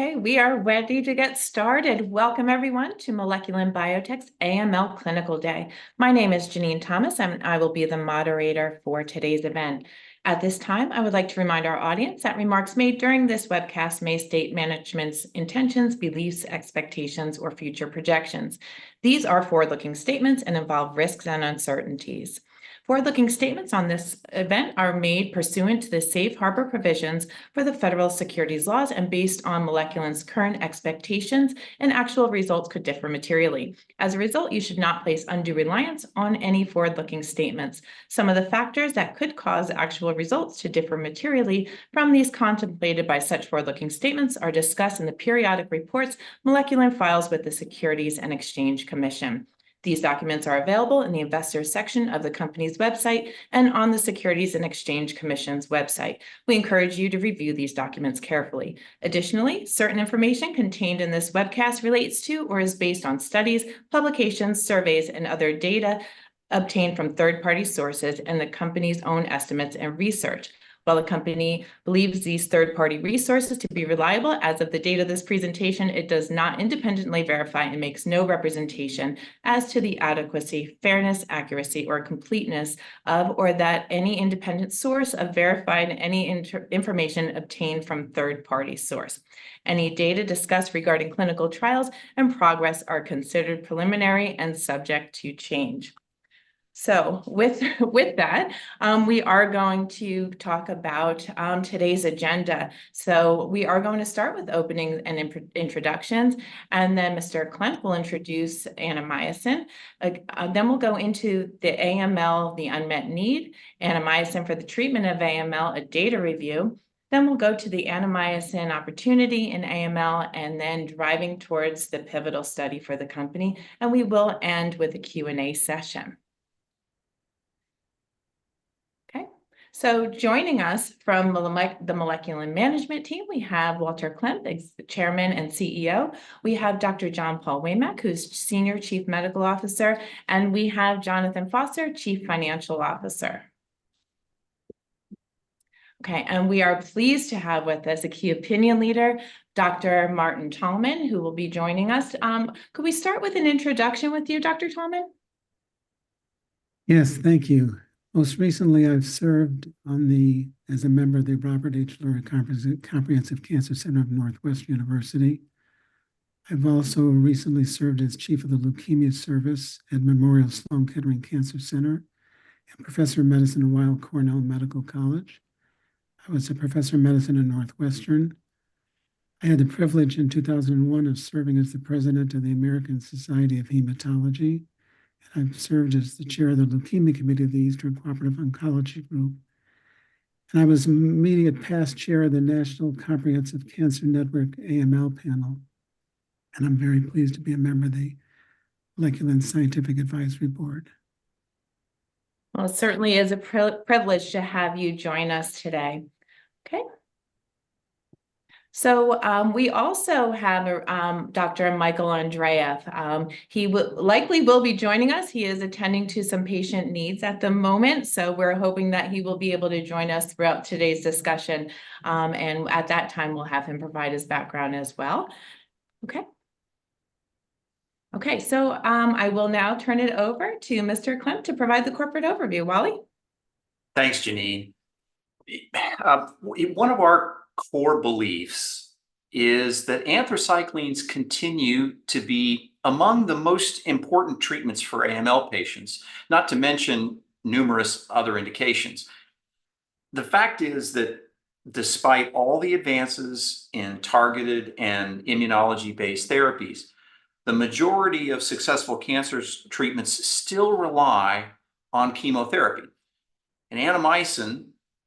Okay, we are ready to get started. Welcome, everyone, to Moleculin Biotech's AML Clinical Day. My name is Jenene Thomas, and I will be the moderator for today's event. At this time, I would like to remind our audience that remarks made during this webcast may state management's intentions, beliefs, expectations, or future projections. These are forward-looking statements and involve risks and uncertainties. Forward-looking statements on this event are made pursuant to the safe harbor provisions for the federal securities laws and based on Moleculin's current expectations, and actual results could differ materially. As a result, you should not place undue reliance on any forward-looking statements. Some of the factors that could cause actual results to differ materially from these contemplated by such forward-looking statements are discussed in the periodic reports Moleculin files with the Securities and Exchange Commission. These documents are available in the Investors section of the company's website and on the Securities and Exchange Commission's website. We encourage you to review these documents carefully. Additionally, certain information contained in this webcast relates to or is based on studies, publications, surveys, and other data obtained from third-party sources and the company's own estimates and research. While the company believes these third-party resources to be reliable, as of the date of this presentation, it does not independently verify and makes no representation as to the adequacy, fairness, accuracy, or completeness of, or that any independent source of verifying any other information obtained from third-party sources. Any data discussed regarding clinical trials and progress are considered preliminary and subject to change. So with that, we are going to talk about today's agenda. So we are going to start with opening and introductions, and then Mr. Klemp will introduce Annamycin. Then we'll go into the AML, the unmet need, Annamycin for the treatment of AML, a data review. Then we'll go to the Annamycin opportunity in AML, and then driving towards the pivotal study for the company, and we will end with a Q&A session. Okay, so joining us from the Moleculin management team, we have Walter Klemp, the Chairman and CEO, we have Dr. John Paul Waymack, who's Senior Chief Medical Officer, and we have Jonathan Foster, Chief Financial Officer. Okay, and we are pleased to have with us a key opinion leader, Dr. Martin Tallman, who will be joining us. Could we start with an introduction with you, Dr. Tallman? Yes, thank you. Most recently, I've served as a member of the Robert H. Lurie Comprehensive Cancer Center of Northwestern University. I've also recently served as chief of the Leukemia Service at Memorial Sloan Kettering Cancer Center and professor of medicine at Weill Cornell Medical College. I was a professor of medicine at Northwestern. I had the privilege in 2001 of serving as the president of the American Society of Hematology, and I've served as the chair of the Leukemia Committee of the Eastern Cooperative Oncology Group, and I was immediate past chair of the National Comprehensive Cancer Network AML panel, and I'm very pleased to be a member of the Moleculin Scientific Advisory Board. Well, it certainly is a privilege to have you join us today. Okay. So, we also have a Dr. Michael Andreeff. He likely will be joining us. He is attending to some patient needs at the moment, so we're hoping that he will be able to join us throughout today's discussion. And at that time, we'll have him provide his background as well. Okay. Okay, so I will now turn it over to Mr. Klemp to provide the corporate overview. Wally? Thanks, Jenene. One of our core beliefs is that anthracyclines continue to be among the most important treatments for AML patients, not to mention numerous other indications. The fact is that despite all the advances in targeted and immunology-based therapies, the majority of successful cancer treatments still rely on chemotherapy. And Annamycin,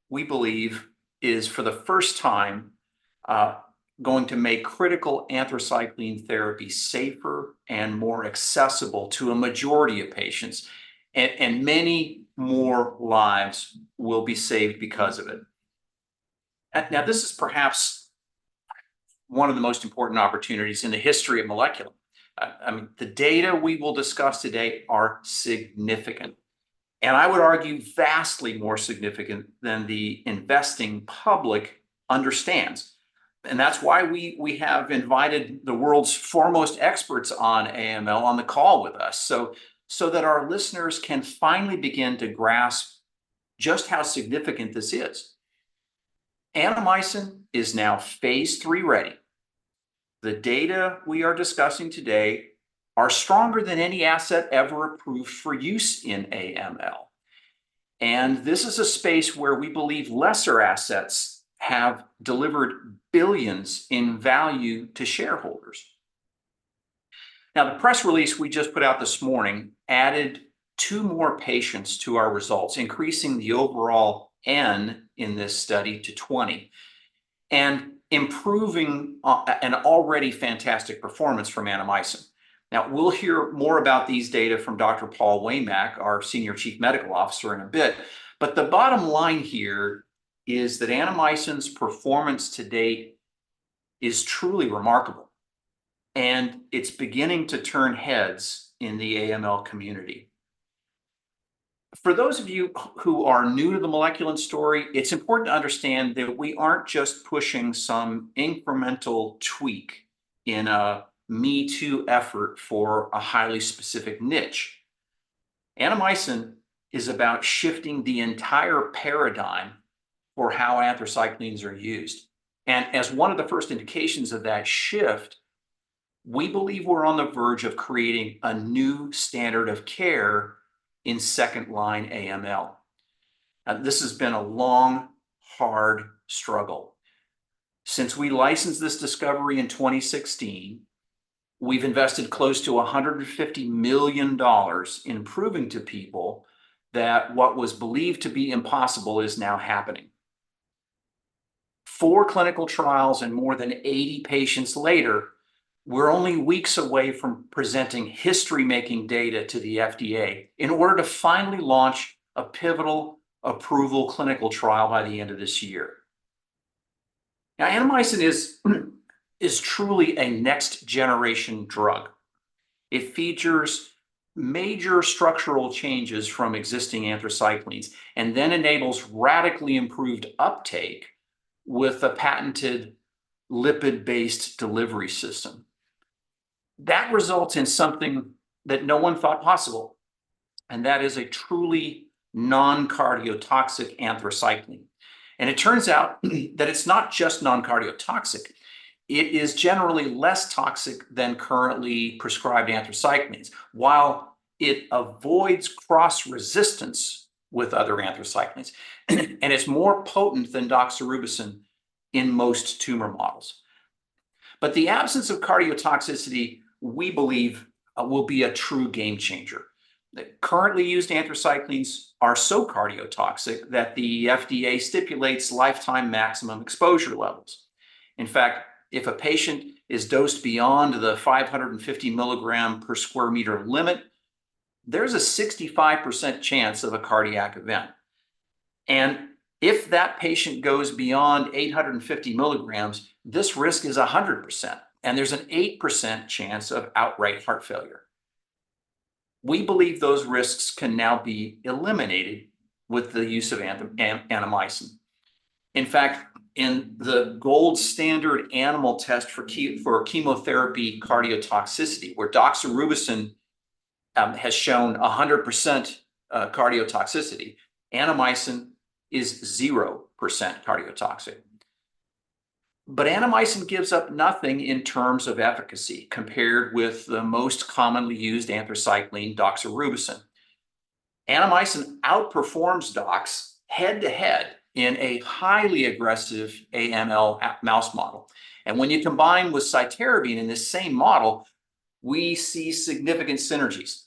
we believe, is, for the first time, going to make critical anthracycline therapy safer and more accessible to a majority of patients, and many more lives will be saved because of it. Now, this is perhaps one of the most important opportunities in the history of Moleculin. I mean, the data we will discuss today are significant, and I would argue vastly more significant than the investing public understands, and that's why we, we have invited the world's foremost experts on AML on the call with us, so, so that our listeners can finally begin to grasp just how significant this is. Annamycin is now phase 3 ready. The data we are discussing today are stronger than any asset ever approved for use in AML, and this is a space where we believe lesser assets have delivered billions in value to shareholders. Now, the press release we just put out this morning added two more patients to our results, increasing the overall N in this study to 20 and improving on an already fantastic performance from Annamycin. Now, we'll hear more about these data from Dr. Paul Waymack, our Senior Chief Medical Officer, in a bit. But the bottom line here is that Annamycin's performance to date is truly remarkable, and it's beginning to turn heads in the AML community. For those of you who are new to the Moleculin story, it's important to understand that we aren't just pushing some incremental tweak in a me-too effort for a highly specific niche. Annamycin is about shifting the entire paradigm for how anthracyclines are used, and as one of the first indications of that shift, we believe we're on the verge of creating a new standard of care in second-line AML. Now, this has been a long, hard struggle. Since we licensed this discovery in 2016, we've invested close to $150 million in proving to people that what was believed to be impossible is now happening. Four clinical trials and more than 80 patients later, we're only weeks away from presenting history-making data to the FDA in order to finally launch a pivotal approval clinical trial by the end of this year. Now, Annamycin is truly a next-generation drug. It features major structural changes from existing anthracyclines and then enables radically improved uptake with a patented lipid-based delivery system. That results in something that no one thought possible, and that is a truly non-cardiotoxic anthracycline. And it turns out that it's not just non-cardiotoxic; it is generally less toxic than currently prescribed anthracyclines, while it avoids cross-resistance with other anthracyclines, and it's more potent than doxorubicin in most tumor models. But the absence of cardiotoxicity, we believe, will be a true game changer. The currently used anthracyclines are so cardiotoxic that the FDA stipulates lifetime maximum exposure levels. In fact, if a patient is dosed beyond the 550 mg per square meter limit, there's a 65% chance of a cardiac event, and if that patient goes beyond 850 mg, this risk is 100%, and there's an 8% chance of outright heart failure. We believe those risks can now be eliminated with the use of Annamycin. In fact, in the gold standard animal test for chemotherapy cardiotoxicity, where doxorubicin has shown 100% cardiotoxicity, Annamycin is 0% cardiotoxic. But Annamycin gives up nothing in terms of efficacy compared with the most commonly used anthracycline, doxorubicin. Annamycin outperforms dox head-to-head in a highly aggressive AML mouse model, and when you combine with Cytarabine in this same model, we see significant synergies,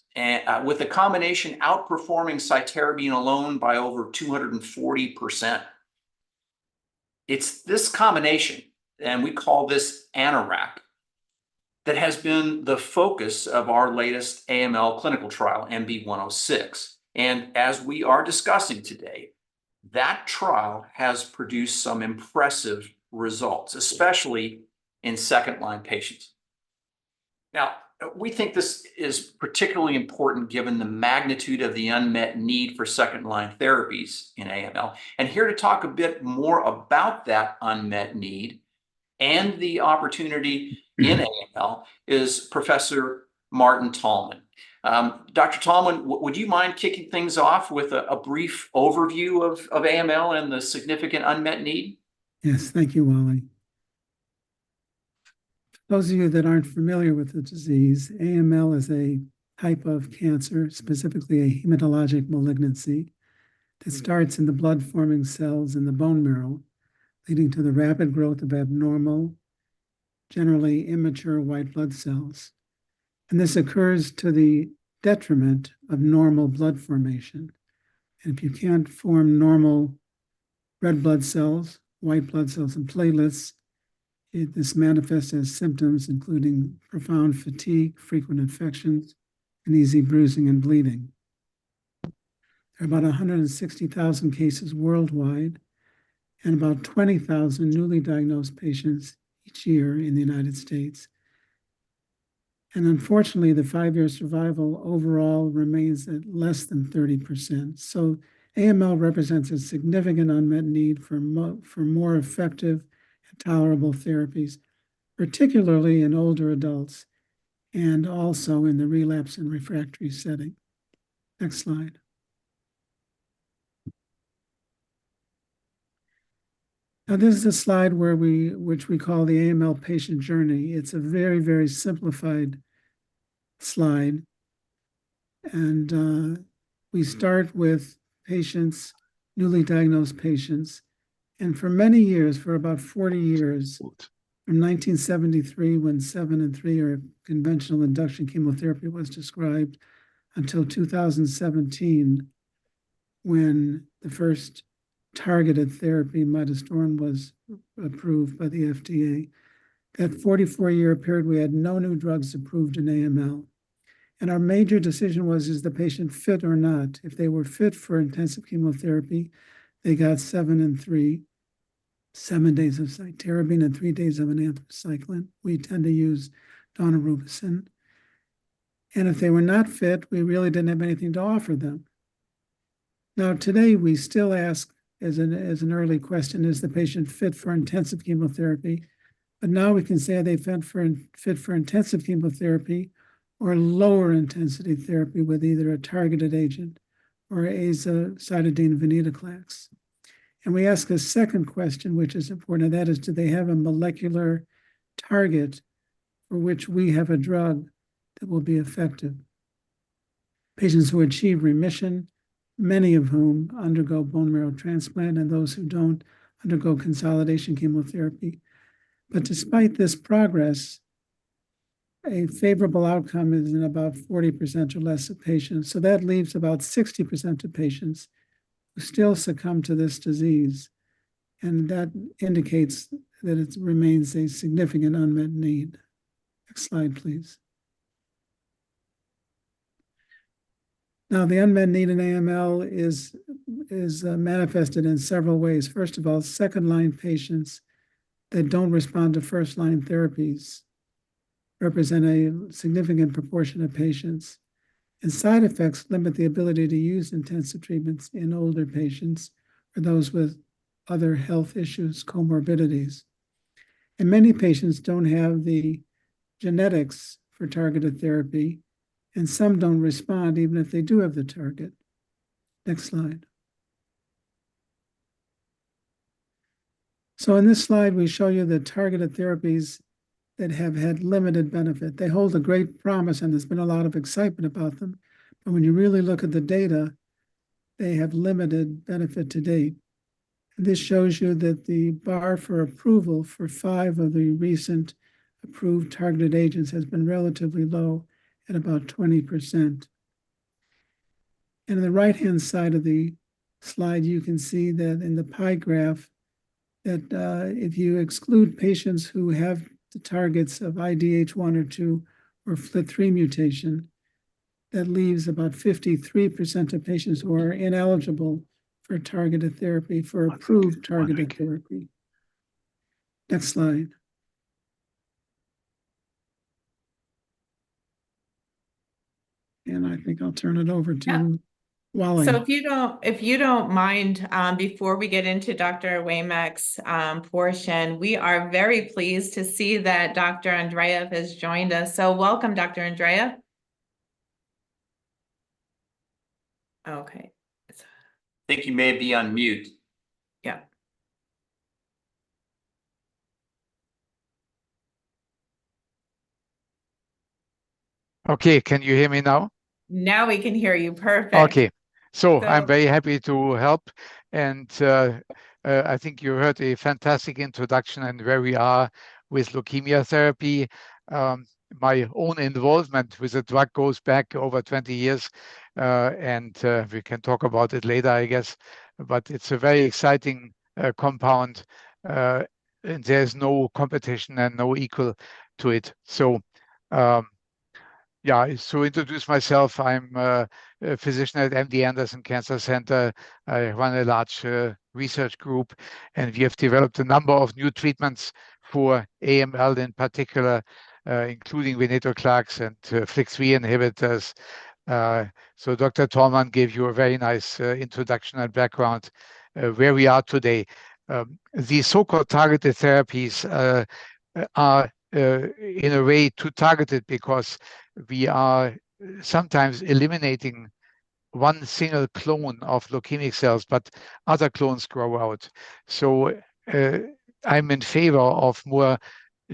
with the combination outperforming Cytarabine alone by over 240%. It's this combination, and we call this AnnAraC, that has been the focus of our latest AML clinical trial, MB-106, and as we are discussing today, that trial has produced some impressive results, especially in second-line patients. Now, we think this is particularly important given the magnitude of the unmet need for second-line therapies in AML. And here to talk a bit more about that unmet need and the opportunity in AML is Professor Martin Tallman. Dr. Tallman, would you mind kicking things off with a brief overview of AML and the significant unmet need? Yes, thank you, Wally. For those of you that aren't familiar with the disease, AML is a type of cancer, specifically a hematologic malignancy, that starts in the blood-forming cells in the bone marrow, leading to the rapid growth of abnormal, generally immature white blood cells, and this occurs to the detriment of normal blood formation. And if you can't form normal red blood cells, white blood cells, and platelets, this manifests as symptoms including profound fatigue, frequent infections, and easy bruising and bleeding. There are about 160,000 cases worldwide and about 20,000 newly diagnosed patients each year in the United States. And unfortunately, the five-year survival overall remains at less than 30%. So AML represents a significant unmet need for more effective and tolerable therapies, particularly in older adults and also in the relapse and refractory setting. Next slide. Now, this is a slide which we call the AML patient journey. It's a very, very simplified slide, and we start with patients, newly diagnosed patients. For many years, for about 40 years, from 1973, when 7 and 3 or conventional induction chemotherapy was described, until 2017, when the first targeted therapy, midostaurin, was approved by the FDA. That 44-year period, we had no new drugs approved in AML, and our major decision was: Is the patient fit or not? If they were fit for intensive chemotherapy, they got 7 and 3, 7 days of Cytarabine and 3 days of an anthracycline. We tend to use daunorubicin. And if they were not fit, we really didn't have anything to offer them. Now, today, we still ask as an early question, "Is the patient fit for intensive chemotherapy?" But now we can say are they fit for intensive chemotherapy or lower intensity therapy with either a targeted agent or a Cytarabine-Venetoclax? And we ask a second question, which is important, and that is: Do they have a molecular target for which we have a drug that will be effective? Patients who achieve remission, many of whom undergo bone marrow transplant, and those who don't, undergo consolidation chemotherapy. But despite this progress, a favorable outcome is in about 40% or less of patients, so that leaves about 60% of patients who still succumb to this disease, and that indicates that it remains a significant unmet need. Next slide, please. Now, the unmet need in AML is manifested in several ways. First of all, second-line patients that don't respond to first-line therapies represent a significant proportion of patients, and side effects limit the ability to use intensive treatments in older patients or those with other health issues, comorbidities. Many patients don't have the genetics for targeted therapy, and some don't respond even if they do have the target. Next slide. In this slide, we show you the targeted therapies that have had limited benefit. They hold a great promise, and there's been a lot of excitement about them, but when you really look at the data, they have limited benefit to date. This shows you that the bar for approval for five of the recent approved targeted agents has been relatively low, at about 20%. In the right-hand side of the slide, you can see that in the pie graph, if you exclude patients who have the targets of IDH 1 or 2 or FLT3 mutation, that leaves about 53% of patients who are ineligible for targeted therapy, for approved targeted therapy. Next slide. I think I'll turn it over to- Yeah... Wally. So if you don't, if you don't mind, before we get into Dr. Waymack's portion, we are very pleased to see that Dr. Andreeff has joined us. So welcome, Dr. Andreeff. Okay, it's- I think you may be on mute. Yeah. Okay. Can you hear me now? Now we can hear you. Perfect. Okay. So- So I'm very happy to help, and I think you heard a fantastic introduction on where we are with leukemia therapy. My own involvement with the drug goes back over 20 years, and we can talk about it later, I guess, but it's a very exciting compound. And there's no competition and no equal to it. So to introduce myself, I'm a physician at MD Anderson Cancer Center. I run a large research group, and we have developed a number of new treatments for AML in particular, including Venetoclax and FLT3 inhibitors. Dr. Tallman gave you a very nice introduction and background where we are today. The so-called targeted therapies are, in a way, too targeted because we are sometimes eliminating one single clone of leukemic cells, but other clones grow out. So, I'm in favor of more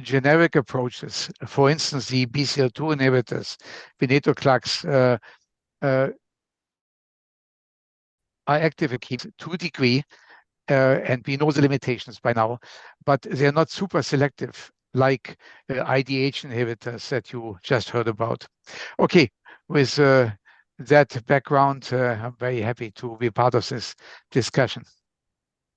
generic approaches. For instance, the BCL-2 inhibitors, Venetoclax, are active, to a degree, and we know the limitations by now, but they're not super selective, like the IDH inhibitors that you just heard about. Okay, with that background, I'm very happy to be a part of this discussion.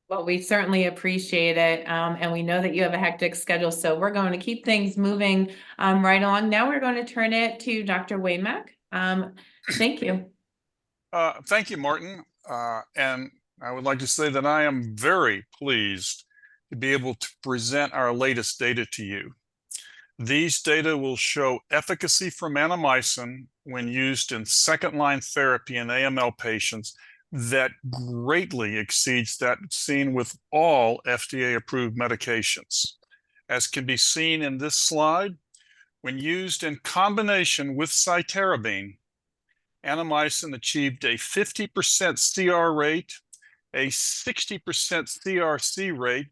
Well, we certainly appreciate it, and we know that you have a hectic schedule, so we're going to keep things moving, right on. Now we're gonna turn it to Dr. Waymack. Thank you. Thank you, Martin. And I would like to say that I am very pleased to be able to present our latest data to you. These data will show efficacy for Annamycin when used in second-line therapy in AML patients that greatly exceeds that seen with all FDA-approved medications. As can be seen in this slide, when used in combination with Cytarabine, Annamycin achieved a 50% CR rate, a 60% CRc rate,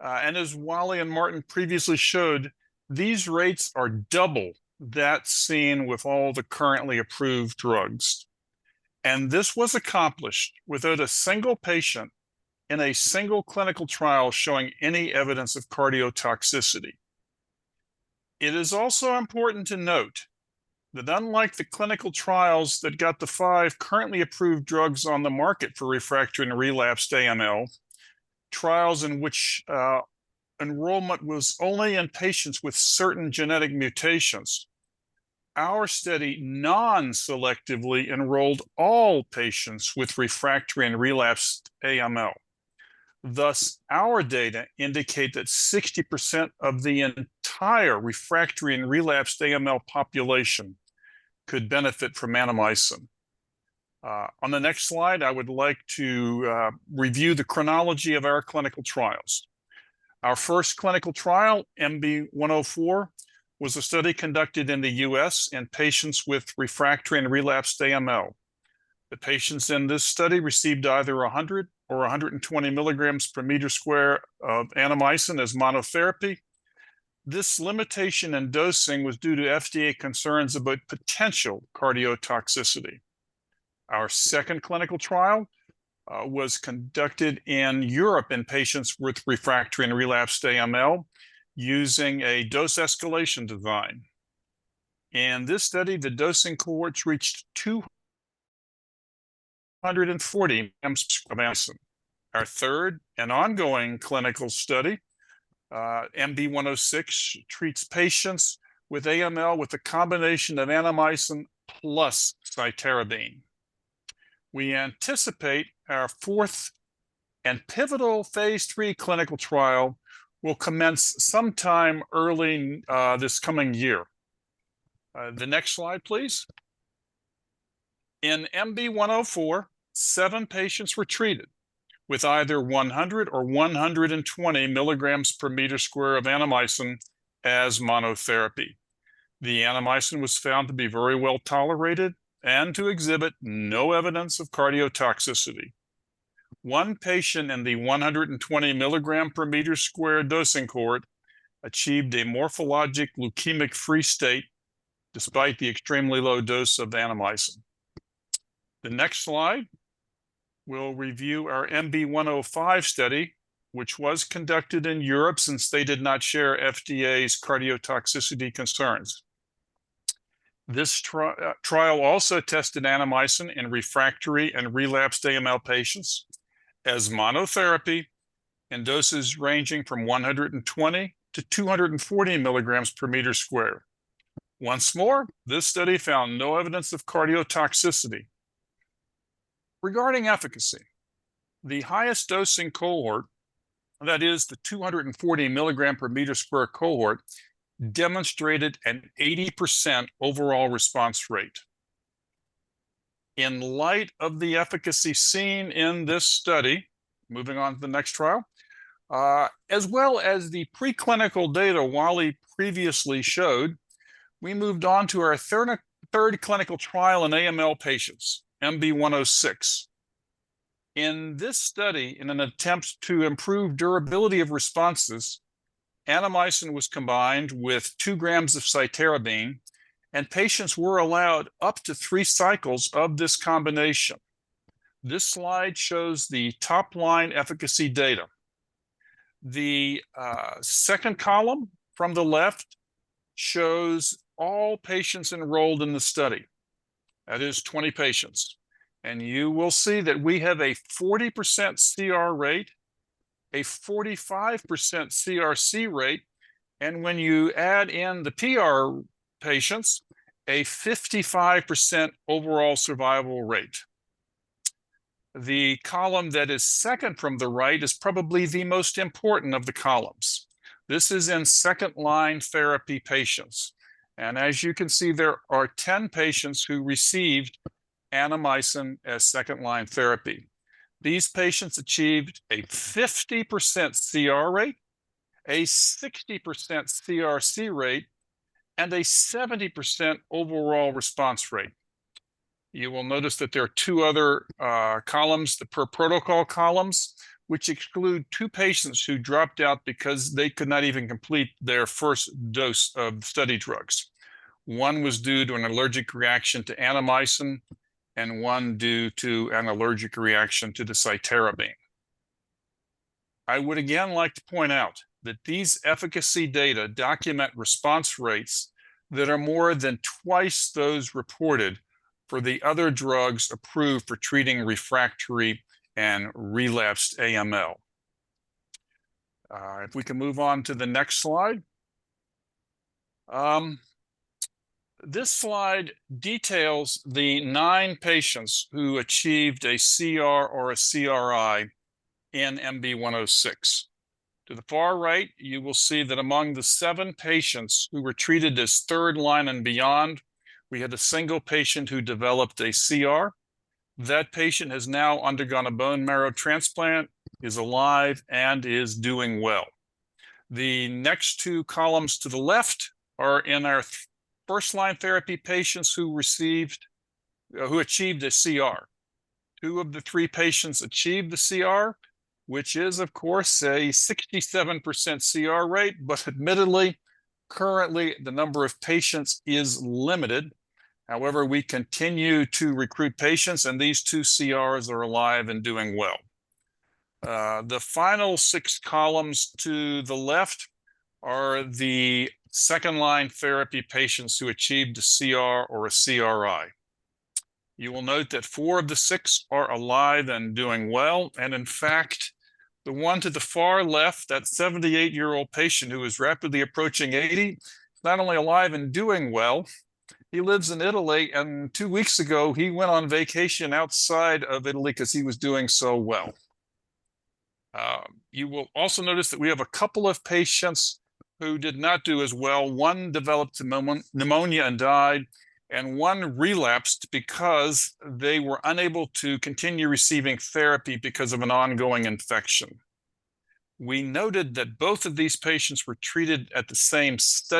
and as Wally and Martin previously showed, these rates are double that seen with all the currently approved drugs. And this was accomplished without a single patient in a single clinical trial showing any evidence of cardiotoxicity. It is also important to note that unlike the clinical trials that got the five currently approved drugs on the market for refractory and relapsed AML, trials in which enrollment was only in patients with certain genetic mutations. Our study non-selectively enrolled all patients with refractory and relapsed AML. Thus, our data indicate that 60% of the entire refractory and relapsed AML population could benefit from Annamycin. On the next slide, I would like to review the chronology of our clinical trials. Our first clinical trial, MB-104, was a study conducted in the U.S. in patients with refractory and relapsed AML. The patients in this study received either 100 or 120 mg/m² of Annamycin as monotherapy. This limitation in dosing was due to FDA concerns about potential cardiotoxicity. Our second clinical trial was conducted in Europe in patients with refractory and relapsed AML, using a dose escalation design. In this study, the dosing cohorts reached 240 mg per square meter of Annamycin. Our third and ongoing clinical study, MB-106, treats patients with AML with a combination of Annamycin plus Cytarabine. We anticipate our fourth and pivotal phase 3 clinical trial will commence sometime early in this coming year. The next slide, please. In MB-104, seven patients were treated with either 100 or 120 mg per square meter of Annamycin as monotherapy. The Annamycin was found to be very well-tolerated and to exhibit no evidence of cardiotoxicity. One patient in the 120 mg per square meter dosing cohort achieved a morphologic leukemic free state, despite the extremely low dose of Annamycin. The next slide will review our MB-105 study, which was conducted in Europe since they did not share FDA's cardiotoxicity concerns. This trial also tested Annamycin in refractory and relapsed AML patients as monotherapy, in doses ranging from 120 to 240 mg/m². Once more, this study found no evidence of cardiotoxicity. Regarding efficacy, the highest dosing cohort, that is the 240 mg/m² cohort, demonstrated an 80% overall response rate. In light of the efficacy seen in this study, moving on to the next trial, as well as the preclinical data Wally previously showed, we moved on to our third clinical trial in AML patients, MB-106. In this study, in an attempt to improve durability of responses, Annamycin was combined with 2 g of Cytarabine, and patients were allowed up to 3 cycles of this combination. This slide shows the top-line efficacy data. The second column from the left shows all patients enrolled in the study, that is 20 patients, and you will see that we have a 40% CR rate, a 45% CRc rate, and when you add in the PR patients, a 55% overall survival rate. The column that is second from the right is probably the most important of the columns. This is in second-line therapy patients, and as you can see, there are 10 patients who received Annamycin as second-line therapy. These patients achieved a 50% CR rate, a 60% CRc rate, and a 70% overall response rate. You will notice that there are two other columns, the per protocol columns, which exclude 2 patients who dropped out because they could not even complete their first dose of study drugs. One was due to an allergic reaction to Annamycin, and one due to an allergic reaction to the Cytarabine. I would again like to point out that these efficacy data document response rates that are more than twice those reported for the other drugs approved for treating refractory and relapsed AML. If we can move on to the next slide. This slide details the 9 patients who achieved a CR or a CRi in MB-106. To the far right, you will see that among the 7 patients who were treated as third line and beyond, we had a single patient who developed a CR. That patient has now undergone a bone marrow transplant, is alive, and is doing well. The next two columns to the left are in our first-line therapy patients who achieved a CR. Two of the three patients achieved the CR, which is, of course, a 67% CR rate, but admittedly, currently, the number of patients is limited. However, we continue to recruit patients, and these two CRs are alive and doing well. The final six columns to the left are the second-line therapy patients who achieved a CR or a CRi.... You will note that 4 of the 6 are alive and doing well, and in fact, the one to the far left, that 78-year-old patient who is rapidly approaching 80, is not only alive and doing well, he lives in Italy, and two weeks ago, he went on vacation outside of Italy because he was doing so well. You will also notice that we have a couple of patients who did not do as well. One developed pneumonia and died, and one relapsed because they were unable to continue receiving therapy because of an ongoing infection. We noted that both of these patients were treated antimicrobial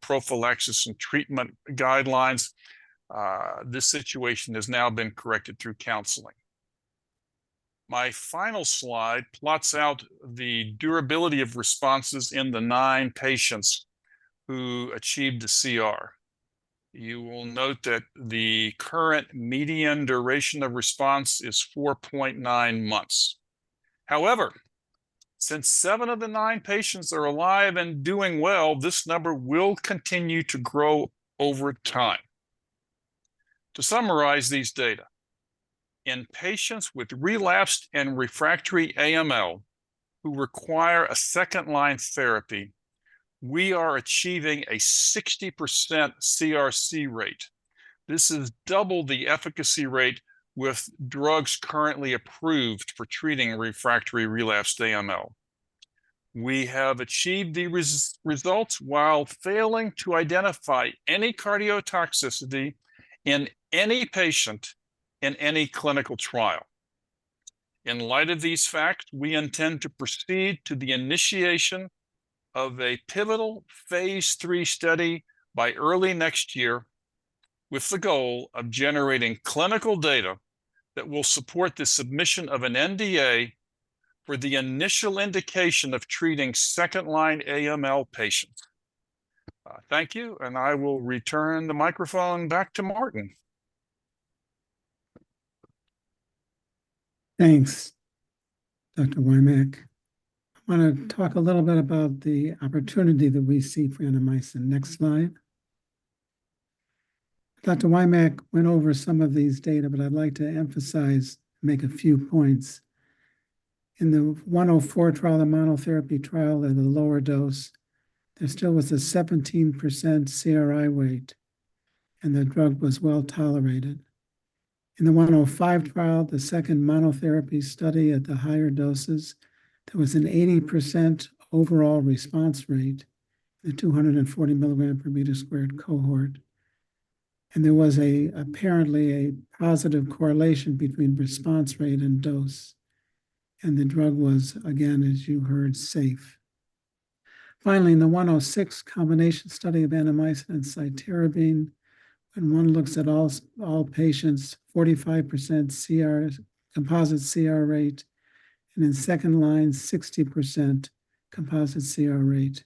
prophylaxis and treatment guidelines. This situation has now been corrected through counseling. My final slide plots out the durability of responses in the 9 patients who achieved the CR. You will note that the current median duration of response is 4.9 months. However, since 7 of the 9 patients are alive and doing well, this number will continue to grow over time. To summarize these data, in patients with relapsed and refractory AML, who require a second-line therapy, we are achieving a 60% CRc rate. This is double the efficacy rate with drugs currently approved for treating refractory relapsed AML. We have achieved these results while failing to identify any cardiotoxicity in any patient in any clinical trial. In light of these facts, we intend to proceed to the initiation of a pivotal phase III study by early next year, with the goal of generating clinical data that will support the submission of an NDA for the initial indication of treating second-line AML patients. Thank you, and I will return the microphone back to Martin. Thanks, Dr. Waymack. I wanna talk a little bit about the opportunity that we see for Annamycin. Next slide. Dr. Waymack went over some of these data, but I'd like to emphasize, make a few points. In the 104 trial, the monotherapy trial at a lower dose, there still was a 17% CRi rate, and the drug was well tolerated. In the 105 trial, the second monotherapy study at the higher doses, there was an 80% overall response rate in the 240 mg/m² cohort, and there was a, apparently a positive correlation between response rate and dose, and the drug was, again, as you heard, safe. Finally, in the WP1066 combination study of Annamycin and Cytarabine, when one looks at all, all patients, 45% CR, composite CR rate, and in second line, 60% composite CR rate,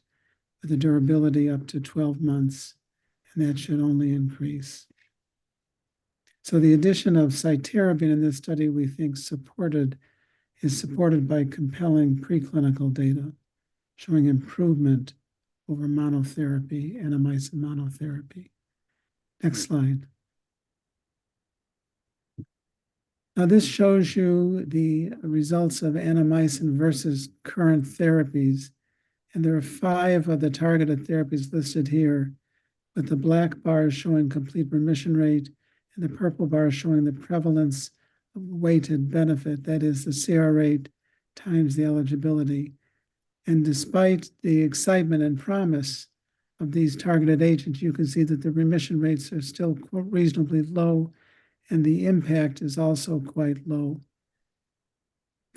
with a durability up to 12 months, and that should only increase. So the addition of Cytarabine in this study, we think supported, is supported by compelling preclinical data, showing improvement over monotherapy, Annamycin monotherapy. Next slide. Now, this shows you the results of Annamycin versus current therapies, and there are five of the targeted therapies listed here, with the black bar showing complete remission rate and the purple bar showing the prevalence weighted benefit, that is the CR rate times the eligibility. And despite the excitement and promise of these targeted agents, you can see that the remission rates are still quite reasonably low, and the impact is also quite low.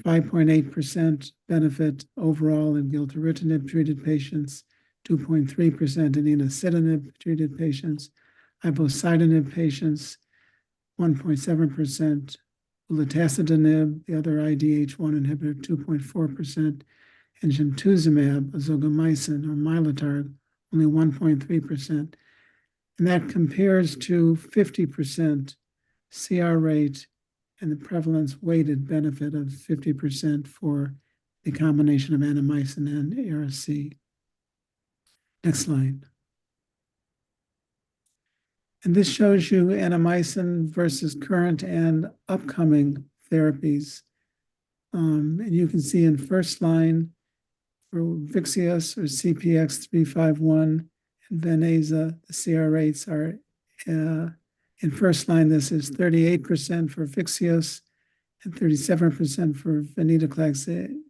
5.8% benefit overall in gilteritinib-treated patients, 2.3% in enasidenib-treated patients, ivosidenib patients, 1.7%, olutasidenib, the other IDH1 inhibitor, 2.4%, and gemtuzumab ozogamicin or Mylotarg, only 1.3%. And that compares to 50% CR rate and the prevalence weighted benefit of 50% for the combination of Annamycin and Ara-C. Next slide. And this shows you Annamycin versus current and upcoming therapies. And you can see in first line for VYXEOS CPX-351, and then AZA, the CR rates are in first line, this is 38% for VYXEOS and 37% for Venetoclax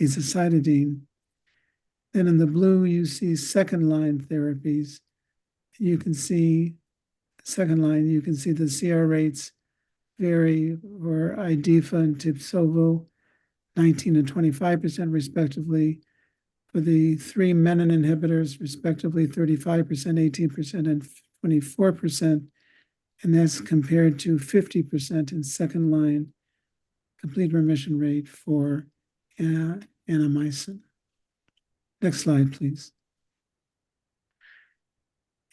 azacitidine. Then in the blue, you see second-line therapies. You can see, second line, you can see the CR rates vary, where IDHIFA and TIBSOVO, 19% and 25% respectively, for the three menin inhibitors, respectively, 35%, 18%, and 24%, and that's compared to 50% in second-line complete remission rate for Annamycin. Next slide, please....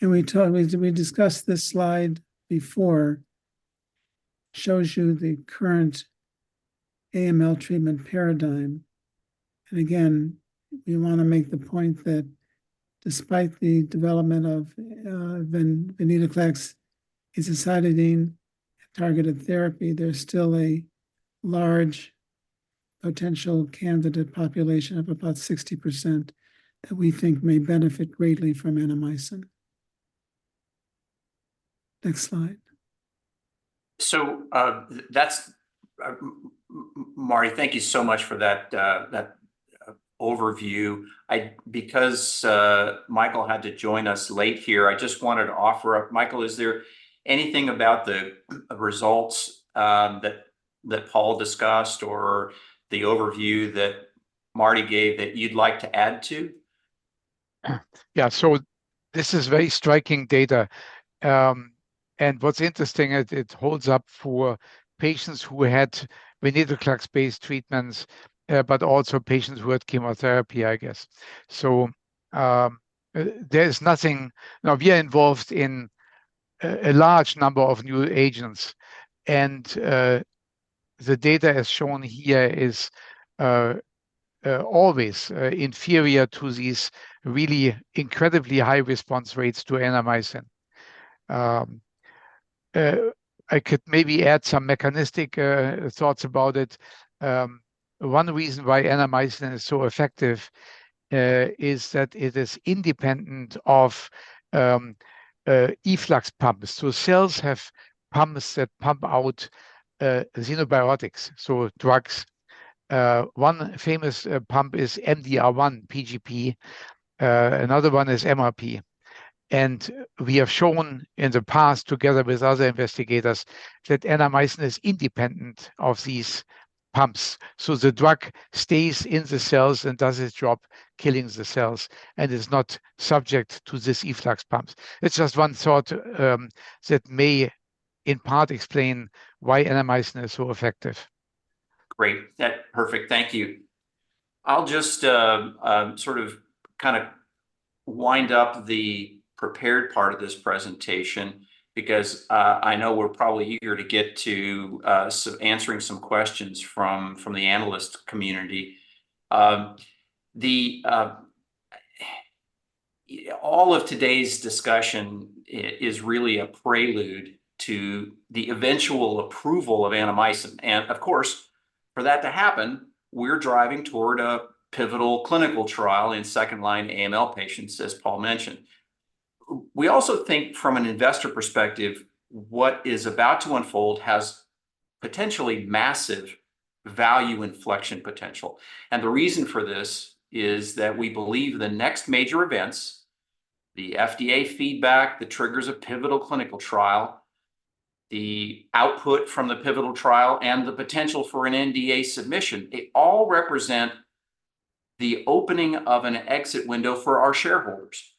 We talked, we discussed this slide before. Shows you the current AML treatment paradigm. And again, we wanna make the point that despite the development of Venetoclax and cytidine-targeted therapy, there's still a large potential candidate population of about 60% that we think may benefit greatly from Annamycin. Next slide. So, that's Marty, thank you so much for that overview. Because Michael had to join us late here, I just wanted to offer up... Michael, is there anything about the results that Paul discussed or the overview that Marty gave that you'd like to add to? Yeah, so this is very striking data. And what's interesting is it holds up for patients who had Venetoclax-based treatments, but also patients who had chemotherapy, I guess. Now, we are involved in a large number of new agents, and the data as shown here is always inferior to these really incredibly high response rates to Annamycin. I could maybe add some mechanistic thoughts about it. One reason why Annamycin is so effective is that it is independent of efflux pumps. So cells have pumps that pump out xenobiotics, so drugs. One famous pump is MDR1 P-gp. Another one is MRP. We have shown in the past, together with other investigators, that Annamycin is independent of these pumps, so the drug stays in the cells and does its job killing the cells, and is not subject to these efflux pumps. It's just one thought that may in part explain why Annamycin is so effective. Great. Perfect, thank you. I'll just sort of kind of wind up the prepared part of this presentation, because I know we're probably eager to get to answering some questions from the analyst community. The all of today's discussion is really a prelude to the eventual approval of Annamycin, and of course, for that to happen, we're driving toward a pivotal clinical trial in second-line AML patients, as Paul mentioned. We also think from an investor perspective, what is about to unfold has potentially massive value inflection potential. And the reason for this is that we believe the next major events, the FDA feedback, the triggers of pivotal clinical trial, the output from the pivotal trial, and the potential for an NDA submission, they all represent the opening of an exit window for our shareholders.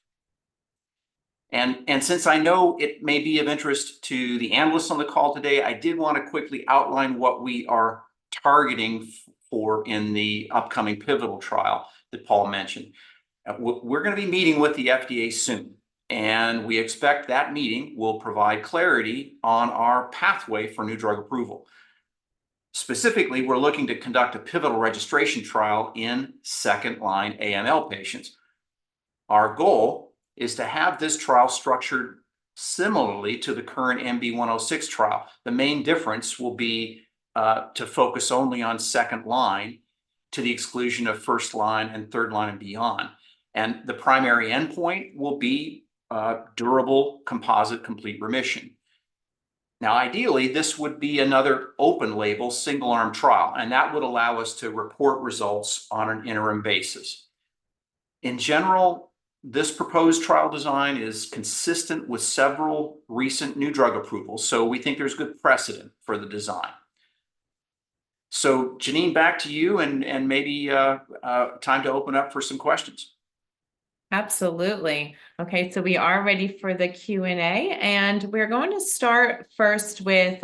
Since I know it may be of interest to the analysts on the call today, I did wanna quickly outline what we are targeting for in the upcoming pivotal trial that Paul mentioned. We're gonna be meeting with the FDA soon, and we expect that meeting will provide clarity on our pathway for new drug approval. Specifically, we're looking to conduct a pivotal registration trial in second-line AML patients. Our goal is to have this trial structured similarly to the current MB-106 trial. The main difference will be to focus only on second line, to the exclusion of first line and third line and beyond, and the primary endpoint will be durable composite complete remission. Now, ideally, this would be another open label, single-arm trial, and that would allow us to report results on an interim basis. In general, this proposed trial design is consistent with several recent new drug approvals, so we think there's good precedent for the design. So, Jenene, back to you, and maybe time to open up for some questions. Absolutely. Okay, so we are ready for the Q&A, and we're going to start first with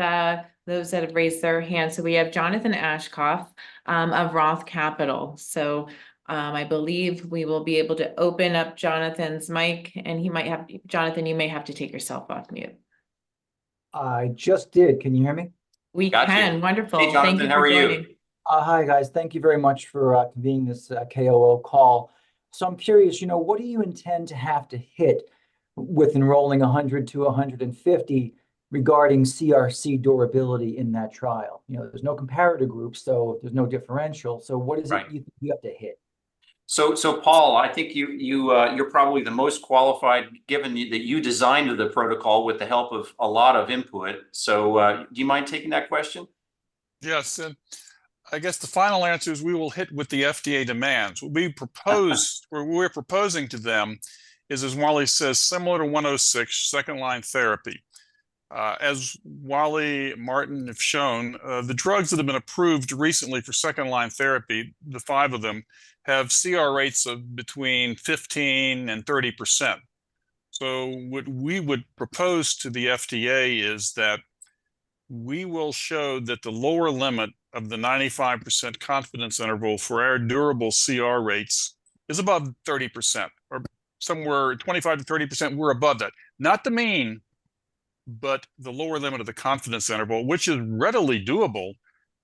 those that have raised their hands. So we have Jonathan Aschoff of ROTH Capital. So, I believe we will be able to open up Jonathan's mic, and he might have... Jonathan, you may have to take yourself off mute. I just did. Can you hear me? We can. Gotcha. Wonderful. Hey, Jonathan. How are you? Thank you for joining. Hi, guys. Thank you very much for convening this KO call. So I'm curious, you know, what do you intend to have to hit with enrolling 100-150 regarding CRc durability in that trial? You know, there's no comparator group, so there's no differential, so what is it- Right... you have to hit? So, Paul, I think you’re probably the most qualified, given that you designed the protocol with the help of a lot of input. So, do you mind taking that question? Yes, and I guess the final answer is we will hit what the FDA demands. What we're proposing to them is, as Wally says, similar to 106, second-line therapy. As Wally and Martin have shown, the drugs that have been approved recently for second-line therapy, the five of them, have CR rates of between 15%-30%. So what we would propose to the FDA is that-... we will show that the lower limit of the 95% confidence interval for our durable CR rates is above 30%, or somewhere 25%-30%, we're above that. Not the mean, but the lower limit of the confidence interval, which is readily doable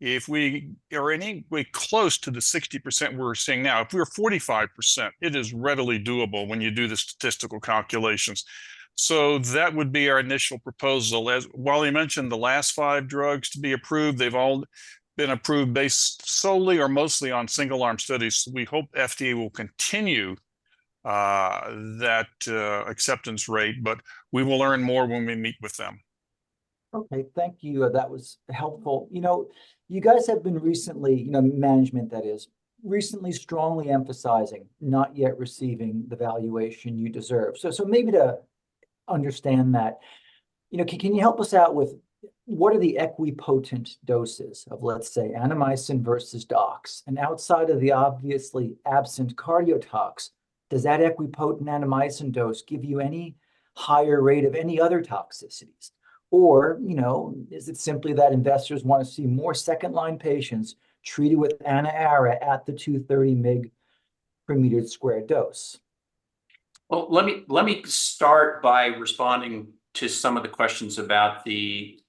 if we are anywhere close to the 60% we're seeing now. If we're at 45%, it is readily doable when you do the statistical calculations. So that would be our initial proposal. As Wally mentioned, the last 5 drugs to be approved, they've all been approved based solely or mostly on single-arm studies. We hope FDA will continue that acceptance rate, but we will learn more when we meet with them. Okay, thank you. That was helpful. You know, you guys have been recently, you know, management that is, recently strongly emphasizing not yet receiving the valuation you deserve. So maybe to understand that, you know, can you help us out with what are the equipotent doses of, let's say, Annamycin versus dox? And outside of the obviously absent cardiotox, does that equipotent Annamycin dose give you any higher rate of any other toxicities? Or, you know, is it simply that investors wanna see more second-line patients treated with AnnAraC at the 230 mg per meter squared dose? Well, let me, let me start by responding to some of the questions about the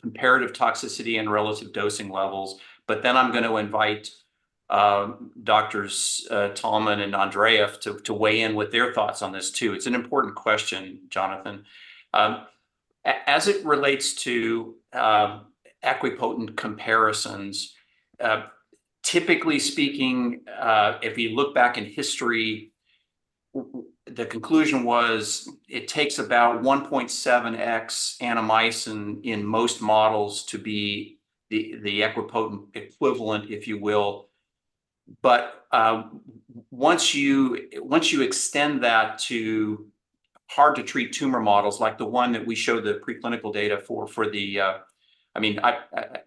comparative toxicity and relative dosing levels, but then I'm gonna invite, doctors Tallman and Andreeff to weigh in with their thoughts on this too. It's an important question, Jonathan. As it relates to equipotent comparisons, typically speaking, if you look back in history, the conclusion was it takes about 1.7x Annamycin in most models to be the equipotent equivalent, if you will. But, once you extend that to hard-to-treat tumor models, like the one that we showed the preclinical data for... I mean, Dr.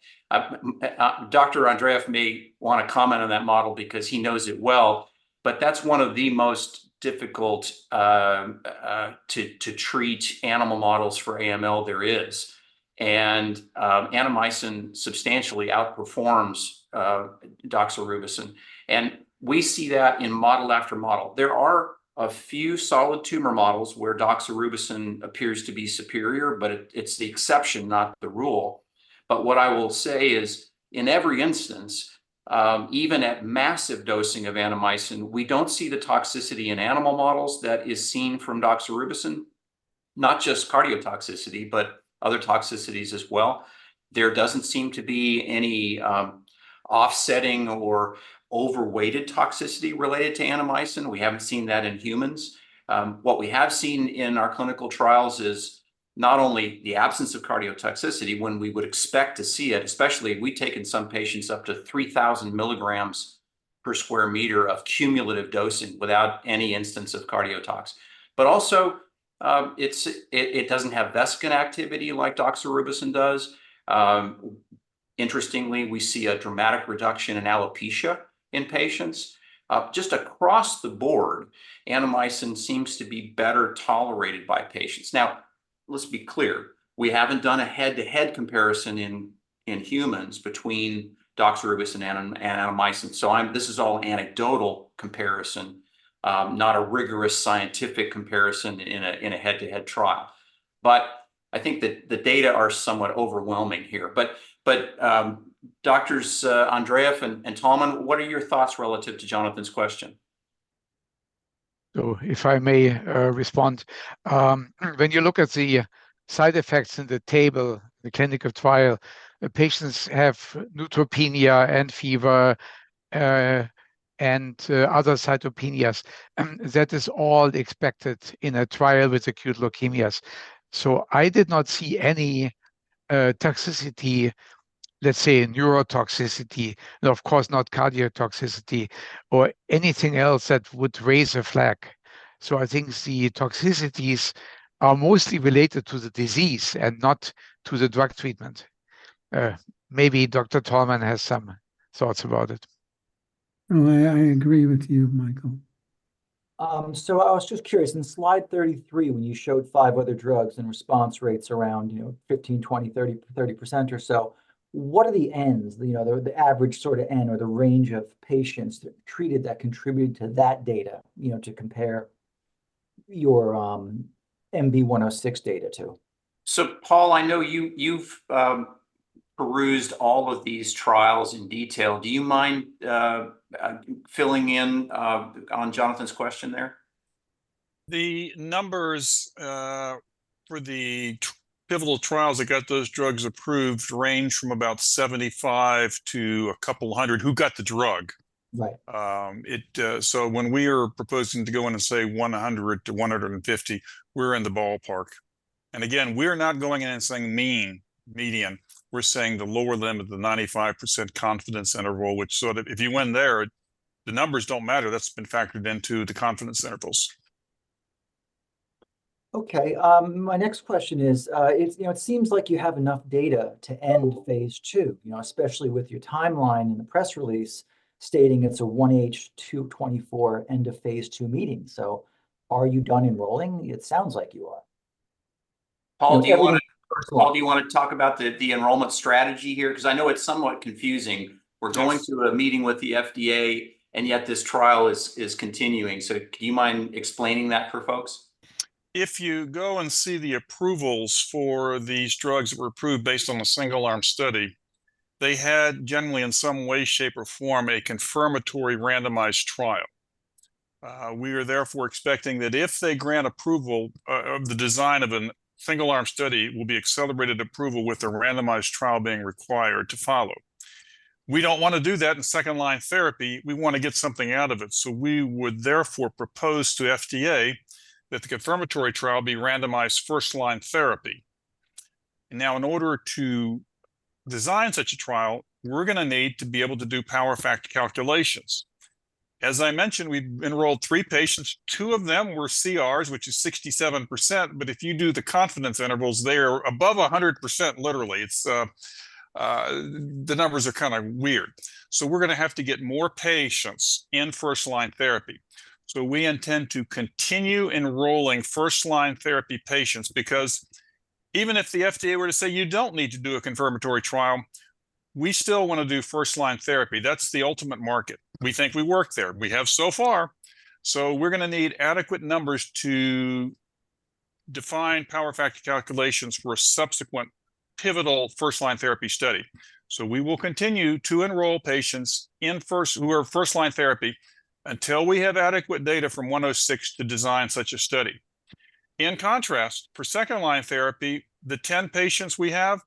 Andreeff may wanna comment on that model because he knows it well, but that's one of the most difficult to treat animal models for AML there is. Annamycin substantially outperforms doxorubicin, and we see that in model after model. There are a few solid tumor models where doxorubicin appears to be superior, but it's the exception, not the rule. What I will say is, in every instance, even at massive dosing of Annamycin, we don't see the toxicity in animal models that is seen from doxorubicin, not just cardiotoxicity, but other toxicities as well. There doesn't seem to be any offsetting or overweighted toxicity related to Annamycin. We haven't seen that in humans. What we have seen in our clinical trials is not only the absence of cardiotoxicity when we would expect to see it, especially if we've taken some patients up to 3,000 mg per square meter of cumulative dosing without any instance of cardiotoxicity. But also, it doesn't have vascular activity like doxorubicin does. Interestingly, we see a dramatic reduction in alopecia in patients. Just across the board, Annamycin seems to be better tolerated by patients. Now, let's be clear, we haven't done a head-to-head comparison in humans between doxorubicin and Annamycin. So I'm—this is all anecdotal comparison, not a rigorous scientific comparison in a head-to-head trial. But I think that the data are somewhat overwhelming here. But, Doctors Andreeff and Tallman, what are your thoughts relative to Jonathan's question? So if I may, respond. When you look at the side effects in the table, the clinical trial, the patients have neutropenia and fever, and other cytopenias. That is all expected in a trial with acute leukemias. So I did not see any, toxicity, let's say, neurotoxicity, and of course, not cardiotoxicity or anything else that would raise a flag. So I think the toxicities are mostly related to the disease and not to the drug treatment. Maybe Dr. Tallman has some thoughts about it. Oh, I agree with you, Michael. So I was just curious, in slide 33, when you showed five other drugs and response rates around, you know, 15%, 20%, 30%, 30% or so, what are the ends, you know, the, the average sort of end or the range of patients that treated that contributed to that data, you know, to compare your MB-106 data to? So Paul, I know you've perused all of these trials in detail. Do you mind filling in on Jonathan's question there? The numbers for the pivotal trials that got those drugs approved range from about 75 to a couple hundred who got the drug. Right. So when we are proposing to go in and say 100-150, we're in the ballpark. And again, we're not going in and saying mean, median, we're saying the lower limit, the 95% confidence interval, which so that if you went there, the numbers don't matter. That's been factored into the confidence intervals. Okay, my next question is, you know, it seems like you have enough data to end phase II, you know, especially with your timeline and the press release stating it's a 1H 2024 end of phase II meeting. So are you done enrolling? It sounds like you are.... Paul, do you wanna talk about the enrollment strategy here? 'Cause I know it's somewhat confusing. Yes. We're going to a meeting with the FDA, and yet this trial is continuing. So do you mind explaining that for folks? If you go and see the approvals for these drugs that were approved based on a single-arm study, they had generally, in some way, shape, or form, a confirmatory randomized trial. We are therefore expecting that if they grant approval of the design of a single-arm study, it will be accelerated approval with a randomized trial being required to follow. We don't wanna do that in second-line therapy. We wanna get something out of it, so we would therefore propose to FDA that the confirmatory trial be randomized first-line therapy. Now, in order to design such a trial, we're gonna need to be able to do power factor calculations. As I mentioned, we've enrolled 3 patients. 2 of them were CRs, which is 67%, but if you do the confidence intervals, they are above 100%, literally. It's... The numbers are kind of weird. We're gonna have to get more patients in first-line therapy. We intend to continue enrolling first-line therapy patients because even if the FDA were to say, "You don't need to do a confirmatory trial," we still wanna do first-line therapy. That's the ultimate market. We think we work there. We have so far. We're gonna need adequate numbers to define power factor calculations for a subsequent pivotal first-line therapy study. We will continue to enroll patients in first-line therapy until we have adequate data from 106 to design such a study. In contrast, for second-line therapy, the 10 patients we have,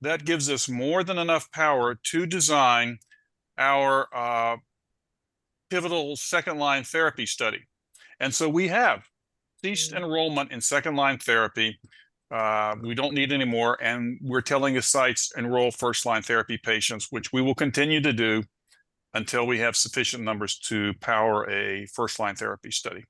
that gives us more than enough power to design our pivotal second-line therapy study, and so we have ceased enrollment in second-line therapy. We don't need any more, and we're telling the sites, "Enroll first-line therapy patients," which we will continue to do until we have sufficient numbers to power a first-line therapy study.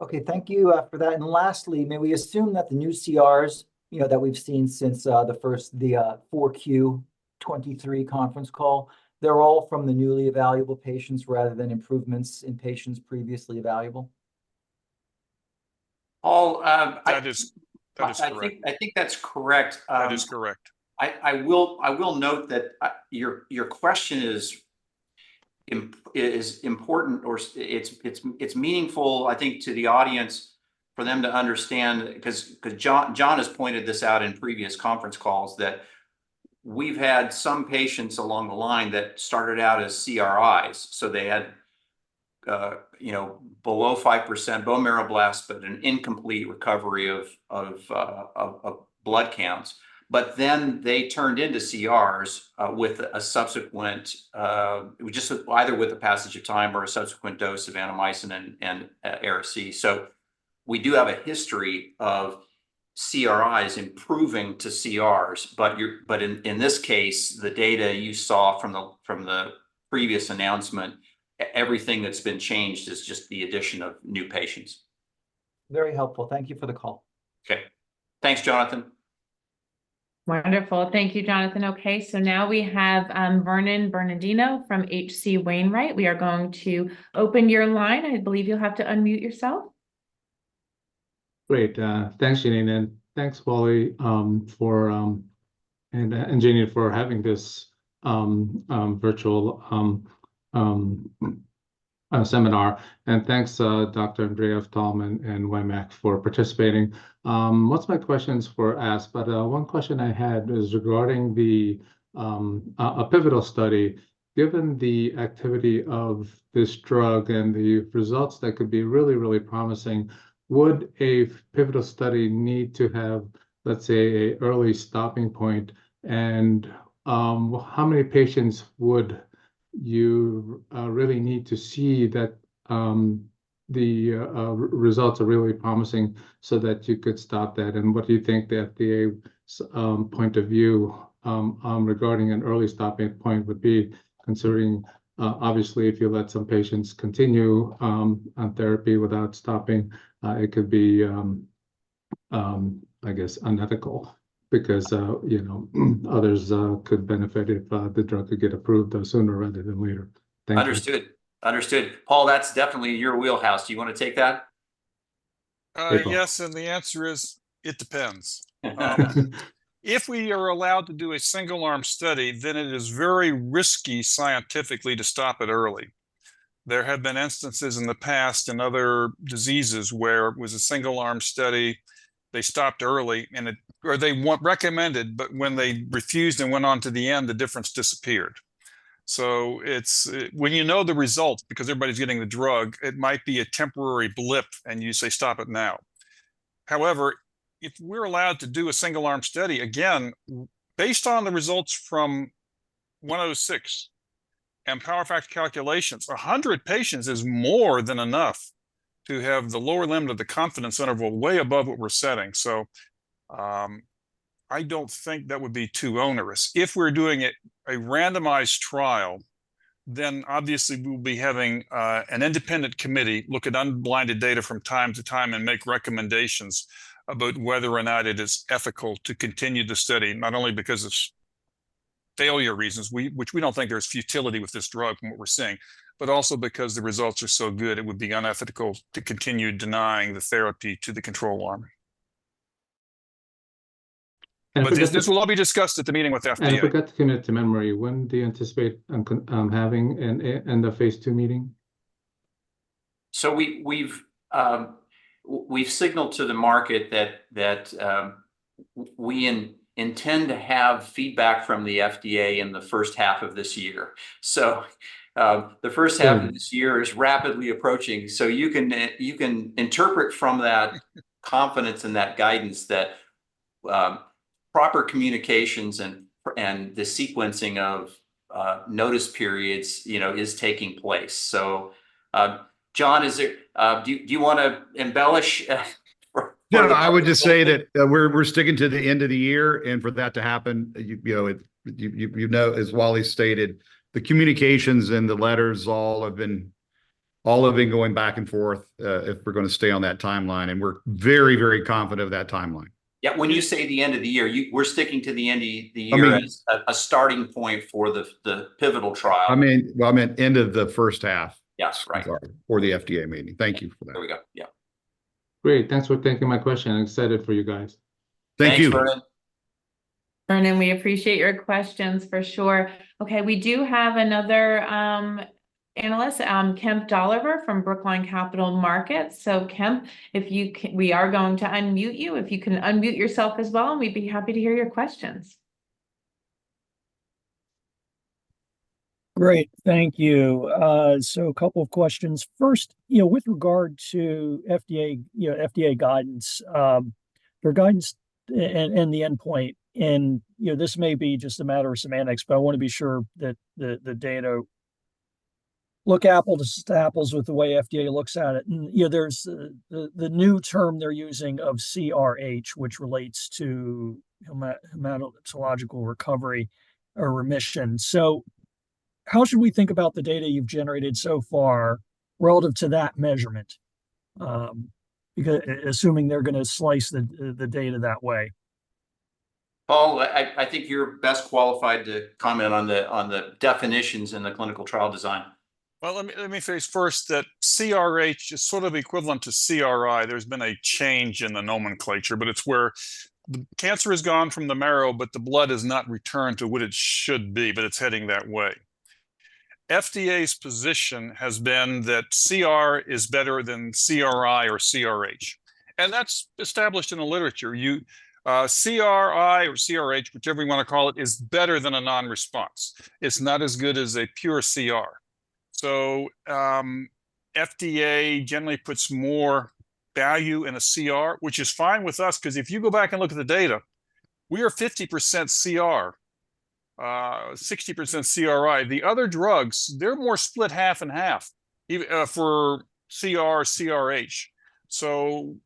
Okay, thank you, for that. And lastly, may we assume that the new CRs, you know, that we've seen since the Q4 2023 conference call, they're all from the newly evaluable patients rather than improvements in patients previously evaluable? Paul, That is, that is correct. I think that's correct. That is correct. I will note that your question is important, or it's meaningful, I think, to the audience for them to understand, 'cause John has pointed this out in previous conference calls, that we've had some patients along the line that started out as CRis. So they had, you know, below 5% bone marrow blasts, but an incomplete recovery of blood counts. But then they turned into CRs, with a subsequent, just either with the passage of time or a subsequent dose of Annamycin and Ara-C. So we do have a history of CRIs improving to CRs, but in this case, the data you saw from the previous announcement, everything that's been changed is just the addition of new patients. Very helpful. Thank you for the call. Okay. Thanks, Jonathan. Wonderful. Thank you, Jonathan. Okay, so now we have, Vernon Bernardino from H.C. Wainwright. We are going to open your line. I believe you'll have to unmute yourself. Great. Thanks, Jenene, and thanks, Paul, and Jenene for having this virtual seminar. And thanks, Dr. Andreeff, Tom, and Waymack for participating. Lots of my questions were asked, but one question I had is regarding the pivotal study. Given the activity of this drug and the results that could be really, really promising, would a pivotal study need to have, let's say, an early stopping point? And how many patients would you really need to see that the results are really promising so that you could stop that? What do you think the FDA point of view regarding an early stopping point would be, considering obviously, if you let some patients continue on therapy without stopping, it could be, I guess, unethical because, you know, others could benefit if the drug could get approved sooner rather than later? Thank you. Understood. Understood. Paul, that's definitely your wheelhouse. Do you wanna take that? Yes, and the answer is: it depends. If we are allowed to do a single-arm study, then it is very risky scientifically to stop it early. There have been instances in the past, in other diseases, where it was a single-arm study, they stopped early, or they were recommended, but when they refused and went on to the end, the difference disappeared. So it's, when you know the results, because everybody's getting the drug, it might be a temporary blip, and you say, "Stop it now." However, if we're allowed to do a single-arm study, again, based on the results from 106 and power factor calculations, 100 patients is more than enough to have the lower limit of the confidence interval way above what we're setting. So, I don't think that would be too onerous. If we're doing a randomized trial, then obviously we'll be having an independent committee look at unblinded data from time to time and make recommendations about whether or not it is ethical to continue the study, not only because of failure reasons, which we don't think there's futility with this drug from what we're seeing. But also because the results are so good, it would be unethical to continue denying the therapy to the control arm. And this will all be discussed at the meeting with the FDA. If I could commit to memory, when do you anticipate on having an end of phase 2 meeting? So we've signaled to the market that we intend to have feedback from the FDA in the first half of this year. So, the first half- Mm... of this year is rapidly approaching, so you can interpret from that confidence and that guidance that, proper communications and the sequencing of, notice periods, you know, is taking place. So, John, do you wanna embellish? No, no, I would just say that, we're sticking to the end of the year, and for that to happen, you know, as Wally stated, the communications and the letters all have been going back and forth, if we're gonna stay on that timeline, and we're very, very confident of that timeline. Yeah, when you say the end of the year, we're sticking to the end of the year- Correct... as a starting point for the pivotal trial. I mean, well, I meant end of the first half. Yes, right. Sorry, for the FDA meeting. Thank you for that. There we go. Yeah. Great. Thanks for taking my question. I'm excited for you guys. Thank you. Thanks, Vernon. Vernon, we appreciate your questions, for sure. Okay, we do have another analyst, Kemp Dolliver from Brookline Capital Markets. So Kemp, we are going to unmute you, if you can unmute yourself as well, and we'd be happy to hear your questions. Great. Thank you. So a couple of questions. First, you know, with regard to FDA, you know, FDA guidance, your guidance and the endpoint, and, you know, this may be just a matter of semantics, but I wanna be sure that the data look apples to apples with the way FDA looks at it. And, you know, there's the new term they're using of CRH, which relates to hematological recovery or remission. So how should we think about the data you've generated so far relative to that measurement? Assuming they're gonna slice the data that way. Paul, I think you're best qualified to comment on the definitions in the clinical trial design. Well, let me say first that CRH is sort of equivalent to CRi. There's been a change in the nomenclature, but it's where the cancer has gone from the marrow, but the blood has not returned to what it should be, but it's heading that way. FDA's position has been that CR is better than CRi or CRH, and that's established in the literature. You, CRi or CRH, whichever you wanna call it, is better than a non-response. It's not as good as a pure CR. So, FDA generally puts more value in a CR, which is fine with us, 'cause if you go back and look at the data, we are 50% CR, 60% CRI. The other drugs, they're more split half and half, even, for CR, CRH. So,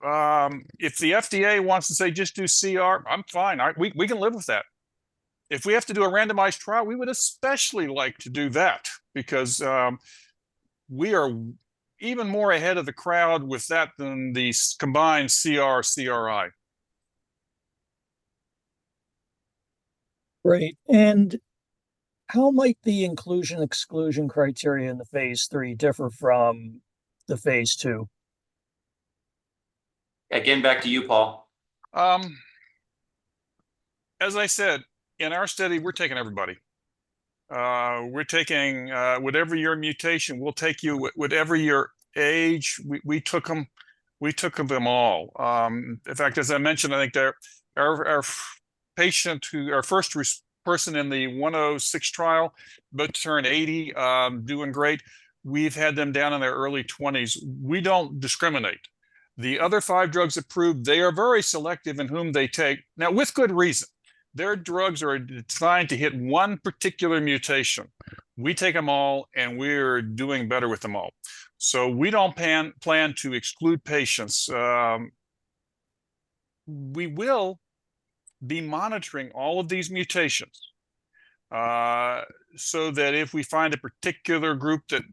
if the FDA wants to say, "Just do CR," I'm fine. We can live with that. If we have to do a randomized trial, we would especially like to do that because we are even more ahead of the crowd with that than the combined CR, CRi. Great. How might the inclusion/exclusion criteria in the phase III differ from the phase II? Again, back to you, Paul. As I said, in our study, we're taking everybody. We're taking whatever your mutation, we'll take you. Whatever your age, we took 'em, we took them all. In fact, as I mentioned, I think our first patient in the 106 trial about to turn 80, doing great. We've had them down in their early 20s. We don't discriminate. The other 5 drugs approved, they are very selective in whom they take. Now, with good reason. Their drugs are designed to hit one particular mutation. We take 'em all, and we're doing better with them all. So we don't plan to exclude patients. We will be monitoring all of these mutations, so that if we find a particular group that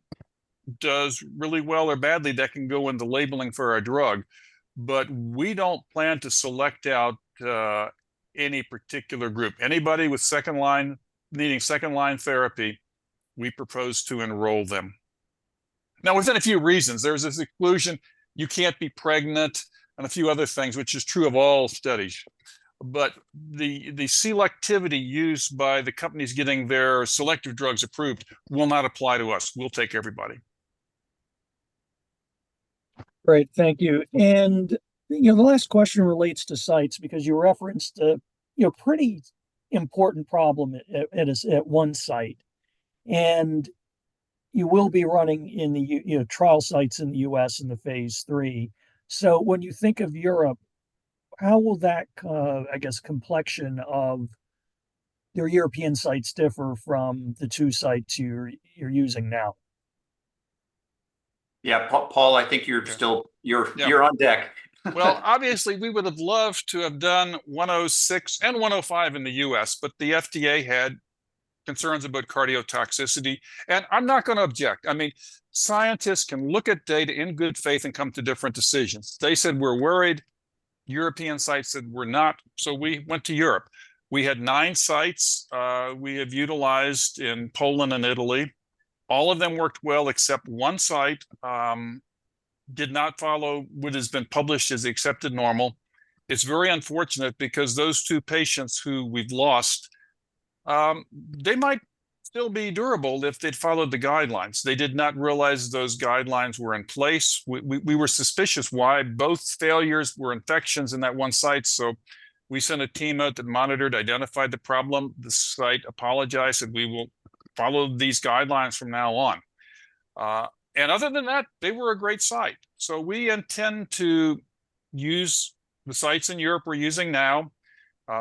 does really well or badly, that can go in the labeling for our drug, but we don't plan to select out any particular group. Anybody needing second-line therapy, we propose to enroll them. Now, for a few reasons, there's this exclusion: you can't be pregnant, and a few other things, which is true of all studies. But the selectivity used by the companies getting their selective drugs approved will not apply to us. We'll take everybody. Great, thank you. And, you know, the last question relates to sites, because you referenced a, you know, pretty important problem at one site. And you will be running in the U.S., you know, trial sites in the U.S. in the phase III. So when you think of Europe, how will that, I guess, complexion of your European sites differ from the 2 sites you're using now? Yeah, Paul, I think you're still- Yeah... you're, you're on deck. Well, obviously, we would've loved to have done 106 and 105 in the U.S., but the FDA had concerns about cardiotoxicity, and I'm not gonna object. I mean, scientists can look at data in good faith and come to different decisions. They said, "We're worried-... European sites that were not, so we went to Europe. We had 9 sites, we have utilized in Poland and Italy. All of them worked well except one site did not follow what has been published as accepted normal. It's very unfortunate because those 2 patients who we've lost, they might still be durable if they'd followed the guidelines. They did not realize those guidelines were in place. We were suspicious why both failures were infections in that one site, so we sent a team out that monitored, identified the problem. The site apologized, said, "We will follow these guidelines from now on." And other than that, they were a great site. So we intend to use the sites in Europe we're using now.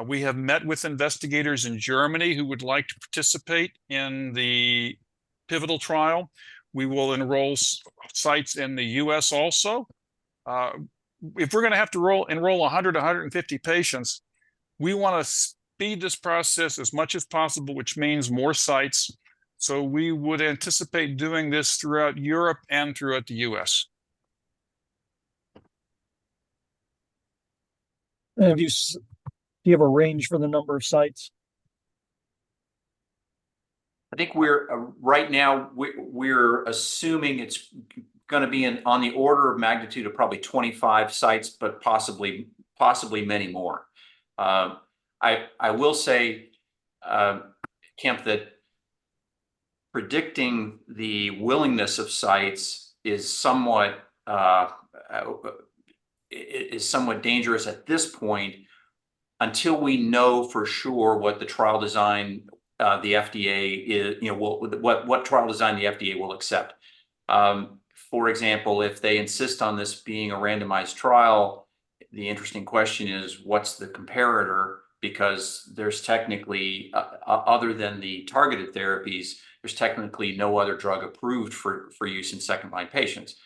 We have met with investigators in Germany who would like to participate in the pivotal trial. We will enroll sites in the U.S. also. If we're gonna have to enroll 100-150 patients, we wanna speed this process as much as possible, which means more sites. So we would anticipate doing this throughout Europe and throughout the U.S. Do you have a range for the number of sites? I think we're right now. We're assuming it's gonna be in on the order of magnitude of probably 25 sites, but possibly many more. I will say, Kemp, that predicting the willingness of sites is somewhat dangerous at this point, until we know for sure what the trial design the FDA you know what trial design the FDA will accept. For example, if they insist on this being a randomized trial, the interesting question is, what's the comparator? Because there's technically other than the targeted therapies, there's technically no other drug approved for use in second-line patients.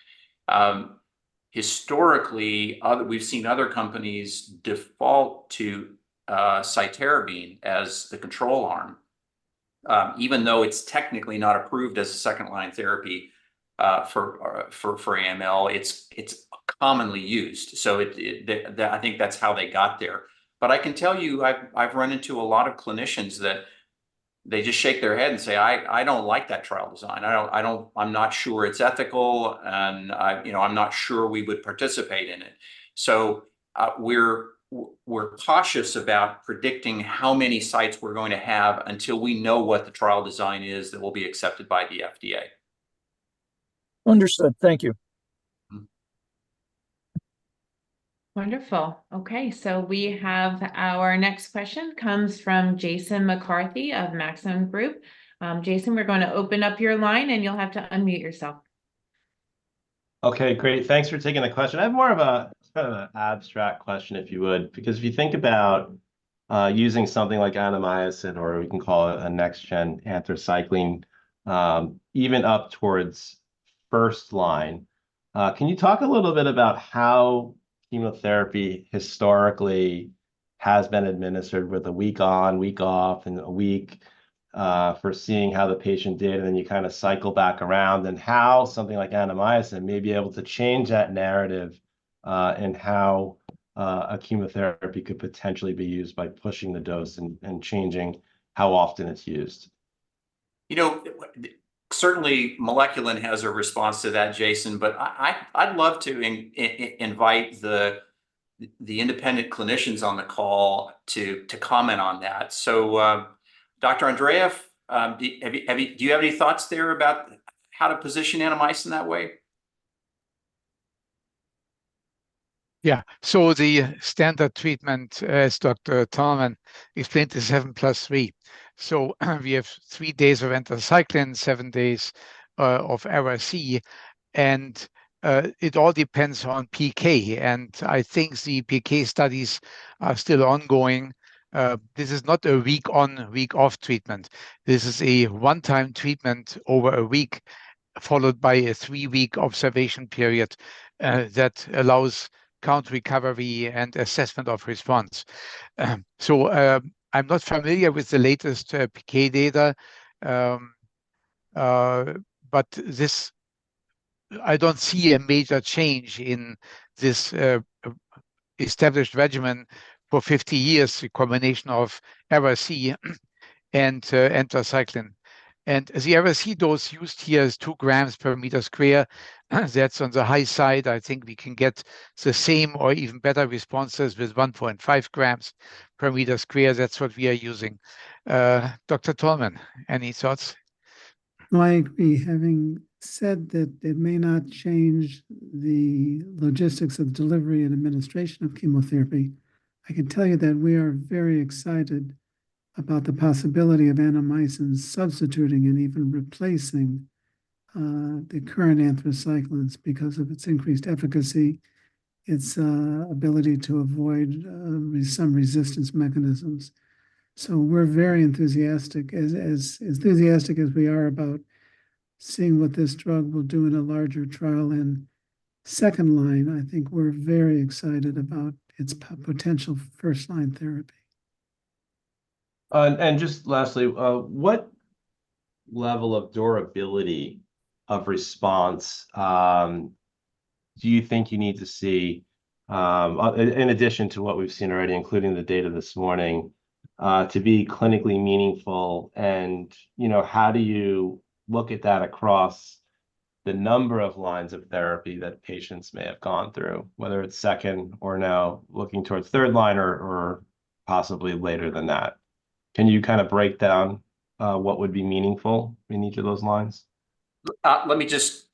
Historically, we've seen other companies default to Cytarabine as the control arm. Even though it's technically not approved as a second-line therapy for AML, it's commonly used. So I think that's how they got there. But I can tell you, I've run into a lot of clinicians that they just shake their head and say, "I don't like that trial design. I don't... I'm not sure it's ethical, and you know, I'm not sure we would participate in it." So we're cautious about predicting how many sites we're going to have until we know what the trial design is that will be accepted by the FDA. Understood. Thank you. Mm-hmm. Wonderful. Okay, so we have our next question, comes from Jason McCarthy of Maxim Group. Jason, we're gonna open up your line, and you'll have to unmute yourself. Okay, great. Thanks for taking the question. I have more of a, kind of an abstract question, if you would. Because if you think about, using something like Annamycin, or we can call it a next-gen anthracycline, even up towards first-line, can you talk a little bit about how chemotherapy historically has been administered with a week on, week off, and a week, for seeing how the patient did, and then you kinda cycle back around? And how something like Annamycin may be able to change that narrative, and how, a chemotherapy could potentially be used by pushing the dose and, and changing how often it's used? You know, certainly, Moleculin has a response to that, Jason, but I, I'd love to invite the independent clinicians on the call to comment on that. So, Dr. Andreeff, have you... Do you have any thoughts there about how to position Annamycin in that way? Yeah. So the standard treatment, as Dr. Tallman explained, is 7 plus 3. So, we have three days of anthracycline, seven days of Ara-C, and it all depends on PK, and I think the PK studies are still ongoing. This is not a week on, week off treatment. This is a one-time treatment over a week, followed by a three-week observation period that allows count recovery and assessment of response. So, I'm not familiar with the latest PK data, but this- I don't see a major change in this established regimen for 50 years, the combination of Ara-C and anthracycline. And the Ara-C dose used here is 2 g per square meter. That's on the high side. I think we can get the same or even better responses with 1.5 g per square meter. That's what we are using. Dr. Tallman, any thoughts? No, I agree. Having said that, it may not change the logistics of delivery and administration of chemotherapy. I can tell you that we are very excited about the possibility of Annamycin substituting and even replacing the current anthracyclines because of its increased efficacy, its ability to avoid some resistance mechanisms. So we're very enthusiastic. As enthusiastic as we are about seeing what this drug will do in a larger trial in second line, I think we're very excited about its potential first-line therapy. ... and just lastly, what level of durability of response do you think you need to see, in addition to what we've seen already, including the data this morning, to be clinically meaningful? And, you know, how do you look at that across the number of lines of therapy that patients may have gone through, whether it's second or now looking towards third line or possibly later than that? Can you kind of break down what would be meaningful in each of those lines? Let me just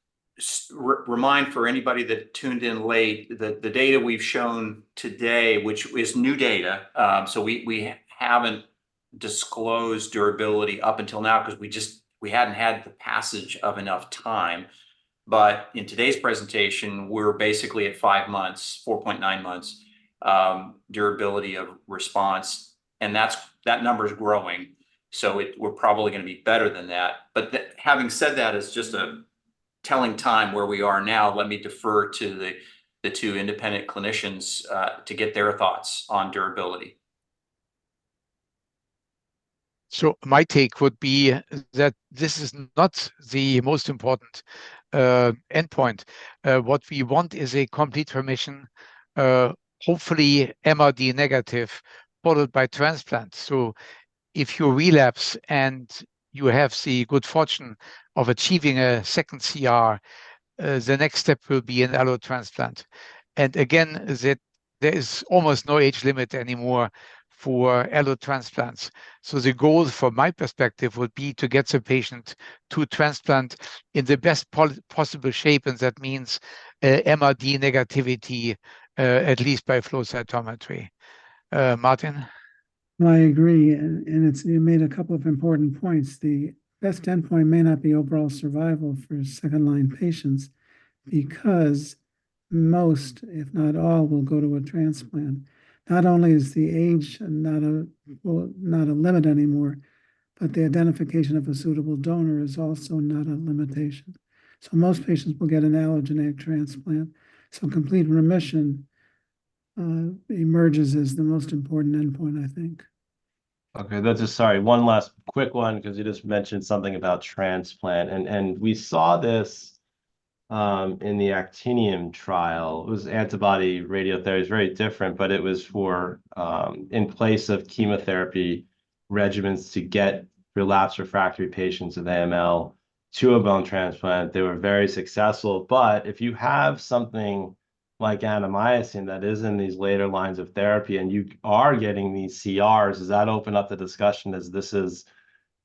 remind for anybody that tuned in late, the data we've shown today, which is new data, so we haven't disclosed durability up until now, 'cause we just hadn't had the passage of enough time. But in today's presentation, we're basically at 5 months, 4.9 months, durability of response, and that's that number's growing, so we're probably gonna be better than that. But the... Having said that, it's just a telling time where we are now. Let me defer to the two independent clinicians to get their thoughts on durability. So my take would be that this is not the most important endpoint. What we want is a complete remission, hopefully MRD negative, followed by transplant. So if you relapse and you have the good fortune of achieving a second CR, the next step will be an allo transplant. And again, there is almost no age limit anymore for allo transplants. So the goal from my perspective would be to get the patient to transplant in the best possible shape, and that means, MRD negativity, at least by flow cytometry. Martin? I agree, and it's... You made a couple of important points. The best endpoint may not be overall survival for second-line patients, because most, if not all, will go to a transplant. Not only is the age not a, well, not a limit anymore, but the identification of a suitable donor is also not a limitation. So most patients will get an allogeneic transplant, so complete remission emerges as the most important endpoint, I think. Okay, let's just... Sorry, one last quick one, 'cause you just mentioned something about transplant, and we saw this in the Actinium trial. It was antibody radiotherapy. It's very different, but it was for in place of chemotherapy regimens to get relapsed refractory patients with AML to a bone transplant. They were very successful. But if you have something like Annamycin that is in these later lines of therapy and you are getting these CRs, does that open up the discussion as this is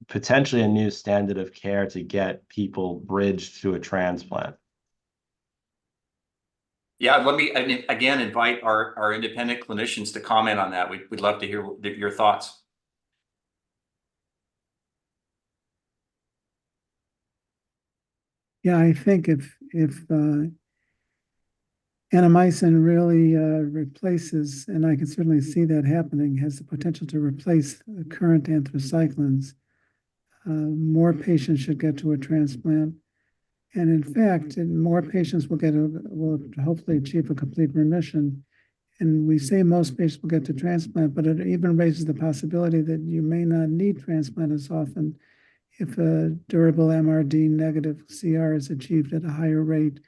potentially a new standard of care to get people bridged to a transplant? Yeah, let me, I mean, again, invite our independent clinicians to comment on that. We'd love to hear your thoughts. Yeah, I think if Annamycin really replaces, and I can certainly see that happening, has the potential to replace the current anthracyclines, more patients should get to a transplant. And in fact, more patients will get a, will hopefully achieve a complete remission. And we say most patients will get to transplant, but it even raises the possibility that you may not need transplant as often if a durable MRD negative CR is achieved at a higher rate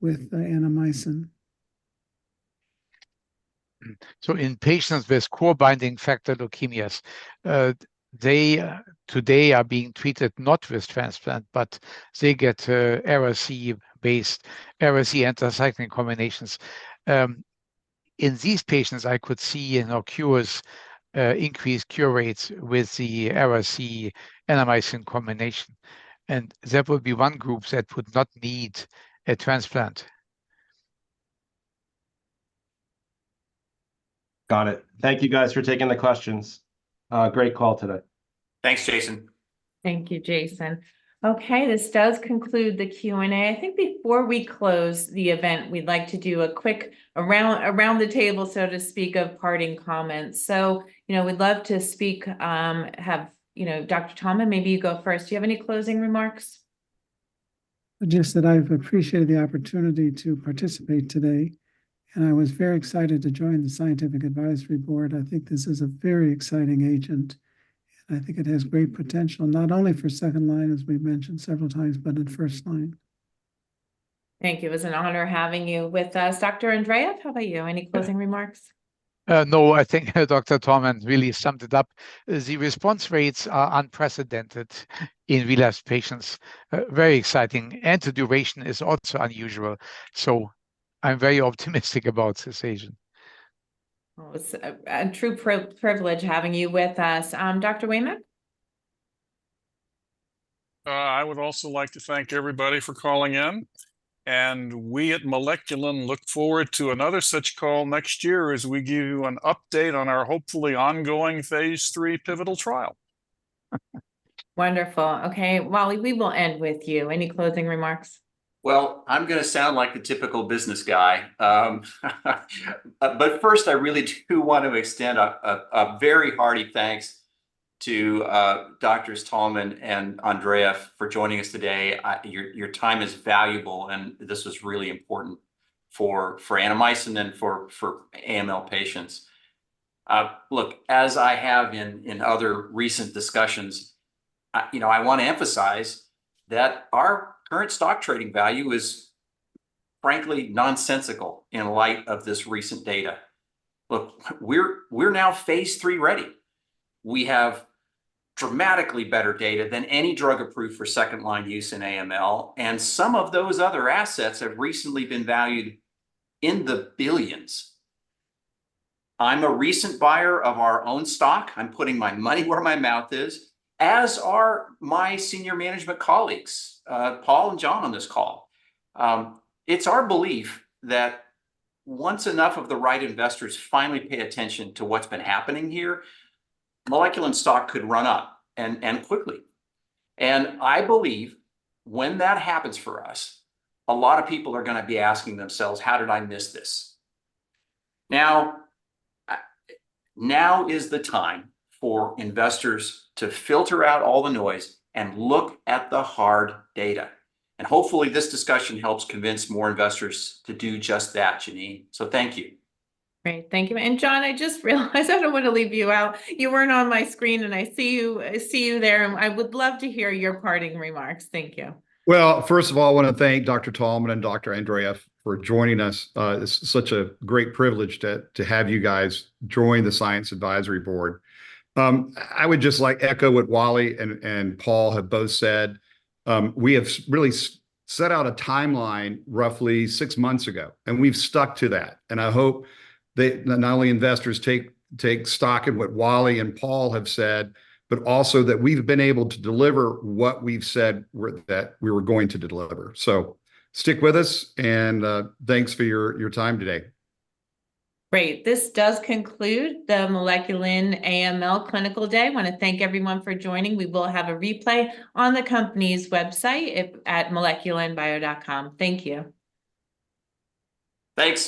with, with Annamycin. In patients with core-binding factor leukemias, they today are being treated not with transplant, but they get, Ara-C-based, Ara-C anthracycline combinations. In these patients, I could see, you know, cures, increased cure rates with the Ara-C Annamycin combination, and that would be one group that would not need a transplant. Got it. Thank you, guys, for taking the questions. Great call today. Thanks, Jason. Thank you, Jason. Okay, this does conclude the Q&A. I think before we close the event, we'd like to do a quick around the table, so to speak, of parting comments. So, you know, we'd love to speak, have... You know, Dr. Tallman, maybe you go first. Do you have any closing remarks? Just that I've appreciated the opportunity to participate today, and I was very excited to join the scientific advisory board. I think this is a very exciting agent. I think it has great potential, not only for second line, as we've mentioned several times, but in first line. Thank you. It was an honor having you with us. Dr. Andreeff, how about you? Any closing remarks? No, I think Dr. Tallman really summed it up. The response rates are unprecedented in relapsed patients. Very exciting, and the duration is also unusual, so I'm very optimistic about this agent. Well, it's a true privilege having you with us. Dr. Waymack? I would also like to thank everybody for calling in, and we at Moleculin look forward to another such call next year as we give you an update on our hopefully ongoing phase 3 pivotal trial. Wonderful. Okay, Wally, we will end with you. Any closing remarks? Well, I'm gonna sound like the typical business guy. But first, I really do want to extend a very hearty thanks to Doctors Tallman and Andreeff for joining us today. Your time is valuable, and this was really important for Annamycin and then for AML patients. Look, as I have in other recent discussions, you know, I wanna emphasize that our current stock trading value is frankly nonsensical in light of this recent data. Look, we're now Phase 3 ready. We have dramatically better data than any drug approved for second-line use in AML, and some of those other assets have recently been valued in the $ billions. I'm a recent buyer of our own stock. I'm putting my money where my mouth is, as are my senior management colleagues, Paul and John, on this call. It's our belief that once enough of the right investors finally pay attention to what's been happening here, Moleculin stock could run up, and quickly. I believe when that happens for us, a lot of people are gonna be asking themselves, "How did I miss this?" Now is the time for investors to filter out all the noise and look at the hard data, and hopefully this discussion helps convince more investors to do just that, Jenene. Thank you. Great. Thank you. John, I just realized I don't wanna leave you out. You weren't on my screen, and I see you, I see you there, and I would love to hear your parting remarks. Thank you. Well, first of all, I wanna thank Dr. Tallman and Dr. Andreeff for joining us. It's such a great privilege to have you guys join the Science Advisory Board. I would just like to echo what Wally and Paul have both said. We have really set out a timeline roughly six months ago, and we've stuck to that, and I hope that not only investors take stock in what Wally and Paul have said, but also that we've been able to deliver what we've said we were going to deliver. So stick with us, and thanks for your time today. Great. This does conclude the Moleculin AML Clinical Day. Wanna thank everyone for joining. We will have a replay on the company's website at moleculinbio.com. Thank you. Thanks.